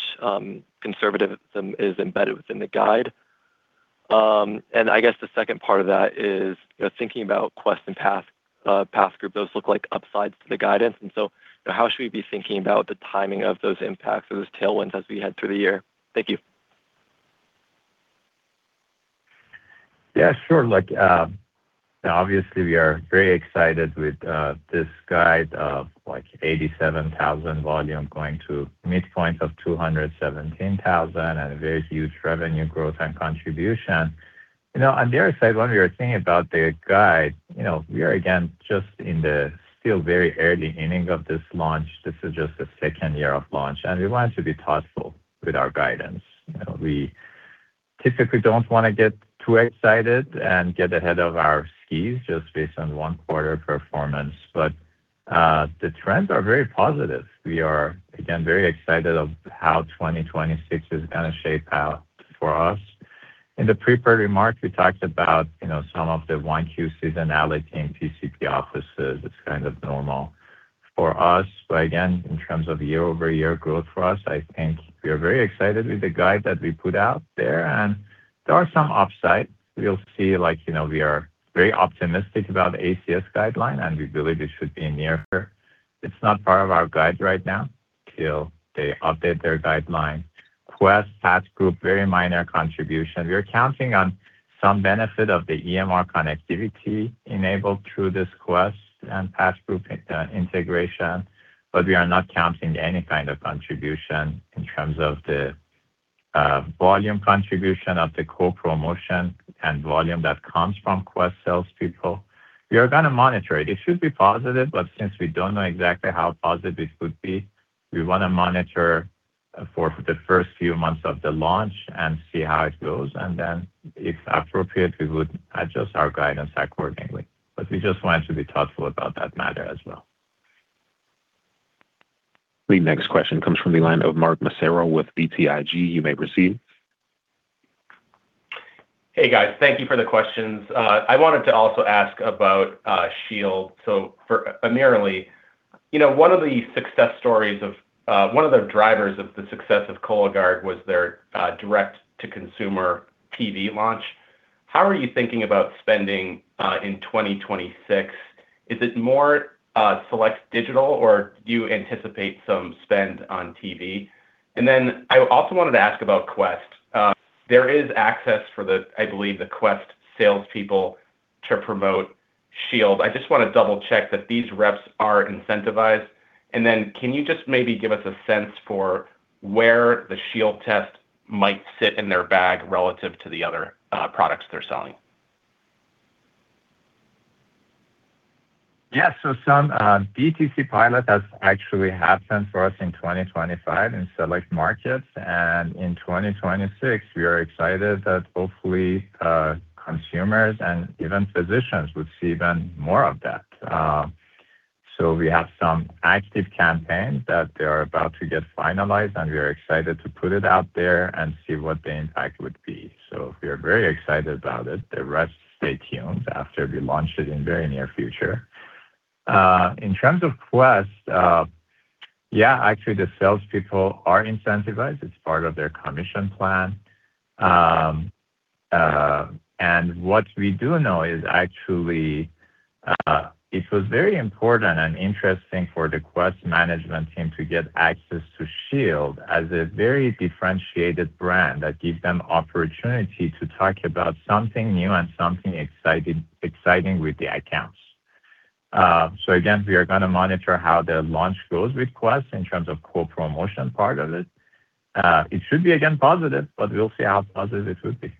conservatism is embedded within the guide? And I guess the second part of that is, you know, thinking about Quest and Path, PathGroup, those look like upsides to the guidance, and so, how should we be thinking about the timing of those impacts or those tailwinds as we head through the year? Thank you. Yeah, sure. Like, obviously, we are very excited with this guide of, like, 87,000 volume going to midpoint of 217,000 and a very huge revenue growth and contribution. You know, on the other side, when we are thinking about the guide, you know, we are again, just in the still very early inning of this launch. This is just the second year of launch, and we want to be thoughtful with our guidance. You know, we typically don't want to get too excited and get ahead of our skis just based on one quarter performance, but the trends are very positive. We are, again, very excited of how 2026 is gonna shape out for us. In the prepared remarks, we talked about, you know, some of the 1Q seasonality in PCP offices. It's kind of normal for us. But again, in terms of year-over-year growth for us, I think we are very excited with the guide that we put out there, and there are some upsides. We'll see, like, you know, we are very optimistic about the ACS guideline, and we believe it should be in near here. It's not part of our guide right now till they update their guideline. Quest, PathGroup, very minor contribution. We are counting on some benefit of the EMR connectivity enabled through this Quest and PathGroup integration, but we are not counting any kind of contribution in terms of the volume contribution of the core promotion and volume that comes from Quest salespeople. We are gonna monitor it. It should be positive, but since we don't know exactly how positive it would be, we wanna monitor for the first few months of the launch and see how it goes, and then if appropriate, we would adjust our guidance accordingly. But we just want to be thoughtful about that matter as well. The next question comes from the line of Mark Massaro with BTIG. You may proceed. Hey, guys. Thank you for the questions. I wanted to also ask about Shield. So primarily, you know, one of the success stories of one of the drivers of the success of Cologuard was their direct-to-consumer TV launch. How are you thinking about spending in 2026? Is it more select digital, or do you anticipate some spend on TV? And then I also wanted to ask about Quest. There is access for the, I believe, the Quest salespeople to promote Shield. I just want to double-check that these reps are incentivized, and then can you just maybe give us a sense for where the Shield test might sit in their bag relative to the other products they're selling? Yes. So some DTC pilot has actually happened for us in 2025 in select markets, and in 2026, we are excited that hopefully, consumers and even physicians would see even more of that. So we have some active campaigns that they are about to get finalized, and we are excited to put it out there and see what the impact would be. So we are very excited about it. The rest, stay tuned after we launch it in very near future. In terms of Quest, yeah, actually, the salespeople are incentivized. It's part of their commission plan. And what we do know is actually, it was very important and interesting for the Quest management team to get access to Shield as a very differentiated brand that gives them opportunity to talk about something new and something exciting, exciting with the accounts. So again, we are gonna monitor how the launch goes with Quest in terms of co-promotion part of it. It should be, again, positive, but we'll see how positive it would be.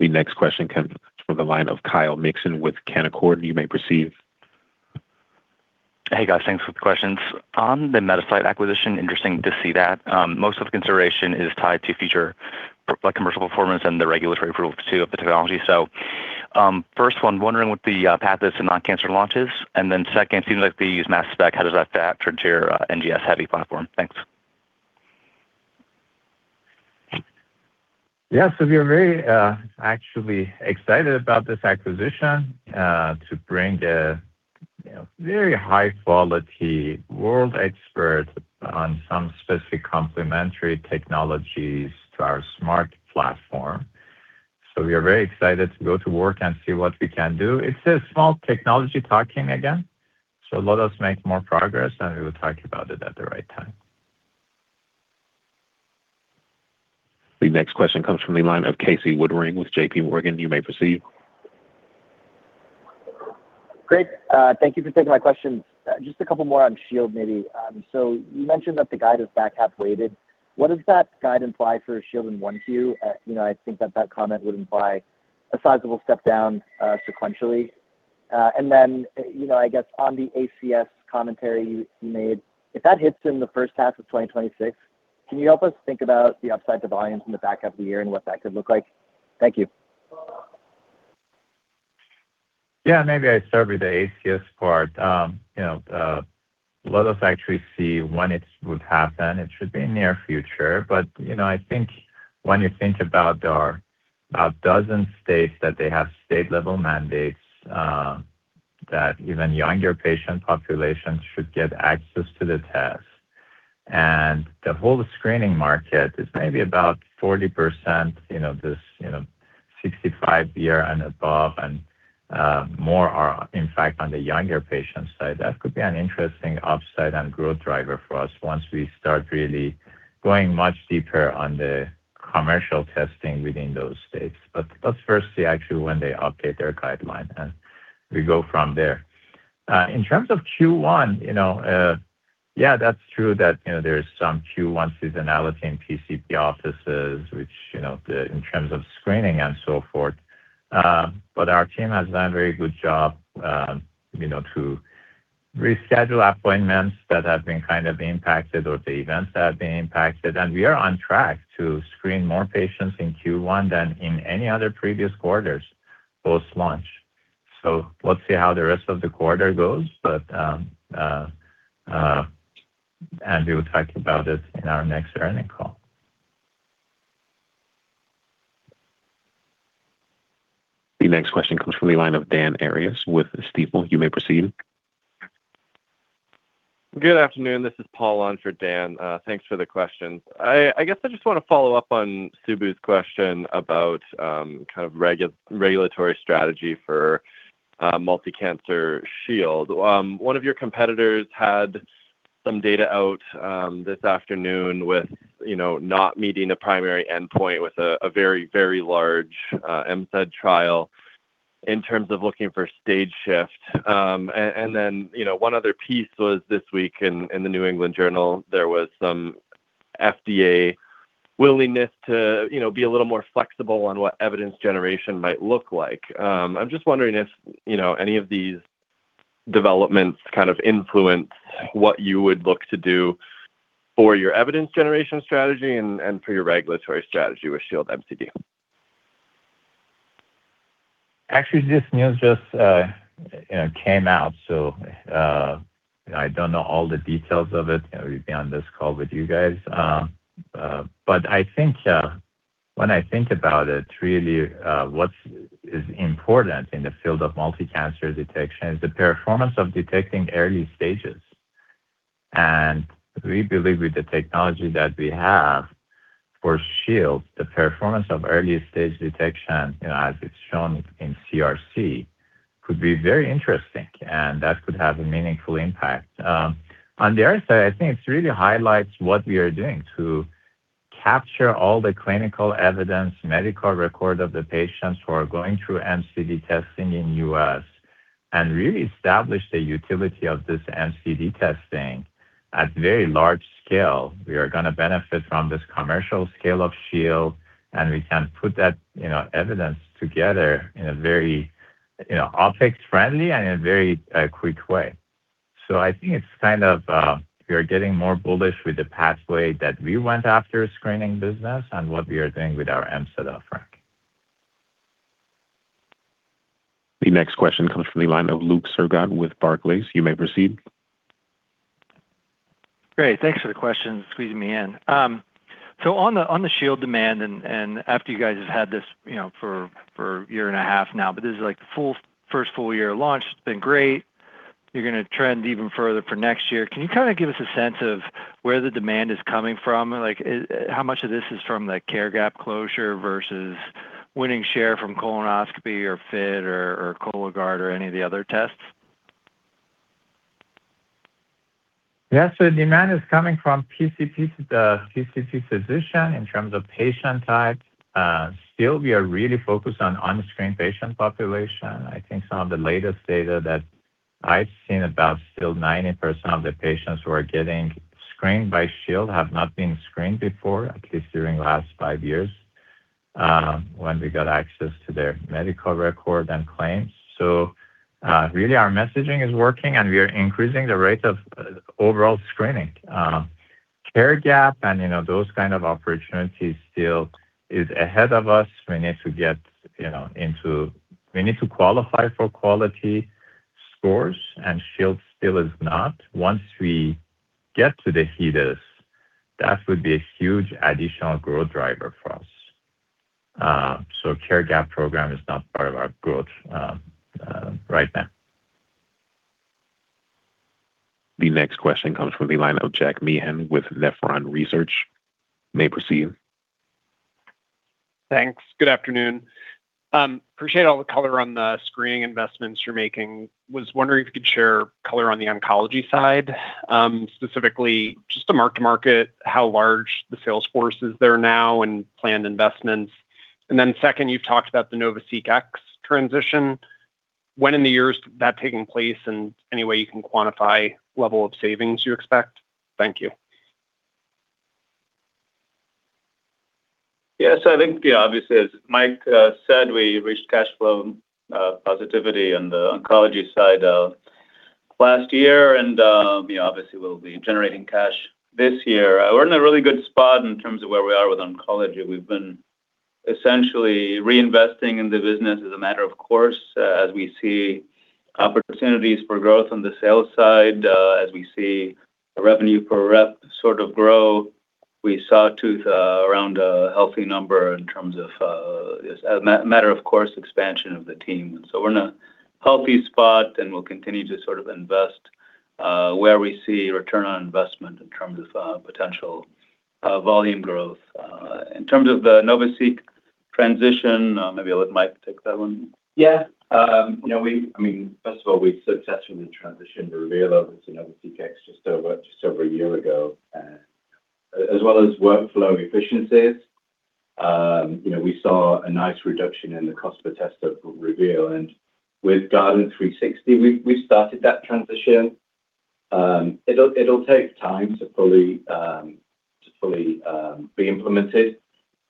The next question comes from the line of Kyle Mikson with Canaccord. You may proceed. Hey, guys. Thanks for the questions. On the MetaCyte acquisition, interesting to see that. Most of the consideration is tied to future pre-commercial performance and the regulatory approval, too, of the technology. So, first one, wondering what the path is to non-cancer launches, and then second, it seems like they use mass spec. How does that factor into your NGS-heavy platform? Thanks. Yeah. So we are very, actually excited about this acquisition, to bring a, you know, very high quality world expert on some specific complementary technologies to our Smart platform. So we are very excited to go to work and see what we can do. It's a small tech tuck-in again, so let us make more progress, and we will talk about it at the right time. The next question comes from the line of Casey Woodring with JPMorgan. You may proceed. Great. Thank you for taking my questions. Just a couple more on Shield, maybe. So you mentioned that the guide is back-half weighted. What does that guide imply for Shield in 1Q? You know, I think that that comment would imply a sizable step down, sequentially. And then, you know, I guess on the ACS commentary you made, if that hits in the H1 of 2026, can you help us think about the upside to volumes in the back half of the year and what that could look like? Thank you. Yeah. Maybe I start with the ACS part. You know, let us actually see when it would happen. It should be in near future, but, you know, I think when you think about a dozen states that they have state-level mandates that even younger patient populations should get access to the test. And the whole screening market is maybe about 40%, you know, this, you know, 65 years and above, and more are, in fact, on the younger patient side. That could be an interesting upside and growth driver for us once we start really going much deeper on the commercial testing within those states. But let's first see actually when they update their guideline, and we go from there. In terms of Q1, you know, yeah, that's true that, you know, there's some Q1 seasonality in PCP offices, which, you know, in terms of screening and so forth. But our team has done a very good job, you know, to reschedule appointments that have been kind of impacted or the events that have been impacted. And we are on track to screen more patients in Q1 than in any other previous quarters post-launch. So let's see how the rest of the quarter goes, but, and we will talk about it in our next earning call. The next question comes from the line of Dan Arias with Stifel. You may proceed. Good afternoon. This is Paul on for Dan. Thanks for the question. I guess I just want to follow up on Subbu's question about kind of regulatory strategy for multi-cancer shield. One of your competitors had some data out this afternoon with, you know, not meeting a primary endpoint with a very, very large MCED trial in terms of looking for stage shift. And then, you know, one other piece was this week in the New England Journal, there was some FDA willingness to, you know, be a little more flexible on what evidence generation might look like. I'm just wondering if, you know, any of these developments kind of influence what you would look to do for your evidence generation strategy and for your regulatory strategy with Shield MCD? Actually, this news just came out, so I don't know all the details of it, you know, beyond this call with you guys. But I think, when I think about it, really, what is important in the field of multi-cancer detection is the performance of detecting early stages. And we believe with the technology that we have for Shield, the performance of early stage detection, you know, as it's shown in CRC, could be very interesting, and that could have a meaningful impact. On the other side, I think it really highlights what we are doing to capture all the clinical evidence, medical record of the patients who are going through MCD testing in U.S., and really establish the utility of this MCD testing at very large scale. We are going to benefit from this commercial scale of Shield, and we can put that, you know, evidence together in a very, you know, OpEx friendly and in a very, quick way. So I think it's kind of, we are getting more bullish with the pathway that we went after screening business and what we are doing with our MCED offering. The next question comes from the line of Luke Sergott with Barclays. You may proceed. Great. Thanks for the question, squeezing me in. So on the Shield demand and, and after you guys have had this, you know, for a year and a half now, but this is like the first full year launch, been great. You're going to trend even further for next year. Can you kind of give us a sense of where the demand is coming from? Like, how much of this is from the care gap closure versus winning share from colonoscopy or FIT or Cologuard or any of the other tests? Yes, so the demand is coming from PCP physician in terms of patient type. Still, we are really focused on unscreened patient population. I think some of the latest data that I've seen about still 90% of the patients who are getting screened by Shield have not been screened before, at least during the last five years, when we got access to their medical record and claims. So, really, our messaging is working, and we are increasing the rate of, overall screening. Care gap and, you know, those kind of opportunities still is ahead of us. We need to get, you know, into, we need to qualify for quality scores, and Shield still is not. Once we get to the HEDIS, that would be a huge additional growth driver for us. So care gap program is not part of our growth right now. The next question comes from the line of Jack Meehan with Nephron Research. You may proceed. Thanks. Good afternoon. Appreciate all the color on the screening investments you're making. Was wondering if you could share color on the oncology side, specifically just to mark to market, how large the sales force is there now and planned investments. And then second, you've talked about the NovaSeq X transition. When in the years is that taking place, and any way you can quantify level of savings you expect? Thank you. Yes, I think the obvious is, Mike said we reached cash flow positivity on the oncology side of last year, and we obviously will be generating cash this year. We're in a really good spot in terms of where we are with oncology. We've been essentially reinvesting in the business as a matter of course, as we see opportunities for growth on the sales side, as we see the revenue per rep sort of grow. We saw two around a healthy number in terms of as a matter of course expansion of the team. So we're in a healthy spot, and we'll continue to sort of invest where we see return on investment in terms of potential volume growth. In terms of the NovaSeq transition, maybe I'll let Mike take that one. Yeah. You know, I mean, first of all, we successfully transitioned the Reveal, obviously, NovaSeq X, just over a year ago. As well as workflow efficiencies, you know, we saw a nice reduction in the cost per test of Reveal. And with Guardant360, we started that transition. It'll take time to fully be implemented.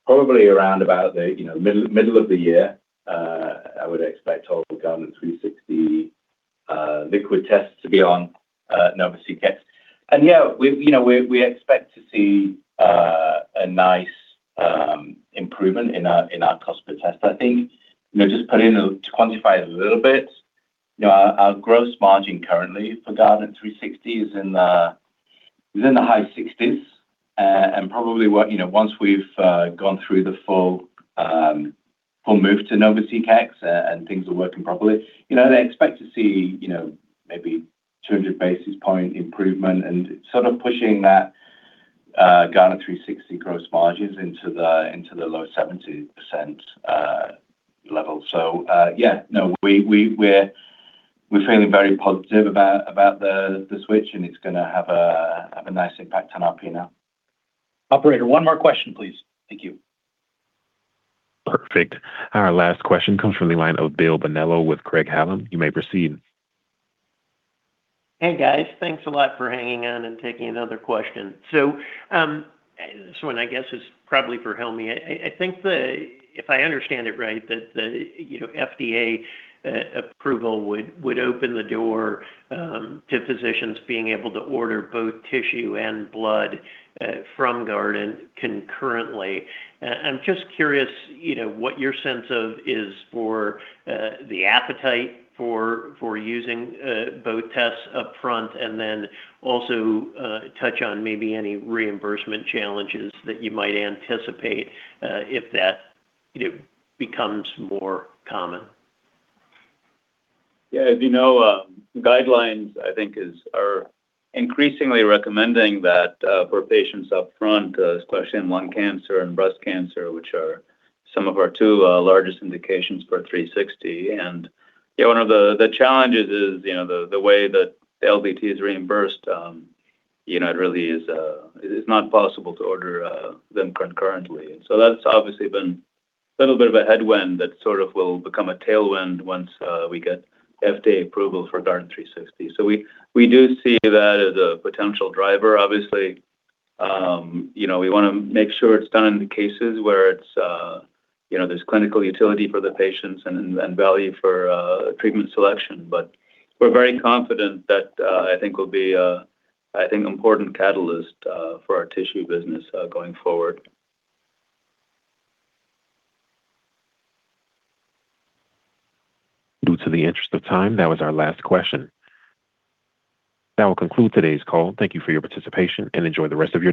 Probably around about the middle of the year, I would expect all the Guardant360 liquid tests to be on NovaSeq X. And yeah, we, you know, we expect to see a nice improvement in our cost per test. I think, you know, just putting to quantify it a little bit, you know, our gross margin currently for Guardant360 is in the high sixties. And probably what, you know, once we've gone through the full move to NovaSeq X, and things are working properly, you know, they expect to see, you know, maybe 200 basis point improvement and sort of pushing that Guardant360 gross margins into the low 70% level. So, yeah, no, we're feeling very positive about the switch, and it's gonna have a nice impact on our P&L. Operator, one more question, please. Thank you. Perfect. Our last question comes from the line of Bill Bonello with Craig-Hallum. You may proceed. Hey, guys. Thanks a lot for hanging on and taking another question. So, this one, I guess, is probably for Helmy. I think the... If I understand it right, that the, you know, FDA approval would open the door to physicians being able to order both tissue and blood from Guardant concurrently. I'm just curious, you know, what your sense of is for the appetite for using both tests up front, and then also touch on maybe any reimbursement challenges that you might anticipate if that it becomes more common. Yeah. As you know, guidelines, I think, are increasingly recommending that, for patients up front, especially in lung cancer and breast cancer, which are some of our two largest indications for 360. And, yeah, one of the challenges is, you know, the way that LDT is reimbursed, you know, it really is, it's not possible to order them concurrently. So that's obviously been a little bit of a headwind that sort of will become a tailwind once we get FDA approval for Guardant360. So we do see that as a potential driver. Obviously, you know, we wanna make sure it's done in the cases where it's, you know, there's clinical utility for the patients and value for treatment selection. We're very confident that, I think, will be a, I think, important catalyst for our tissue business going forward. Due to the interest of time, that was our last question. That will conclude today's call. Thank you for your participation, and enjoy the rest of your day.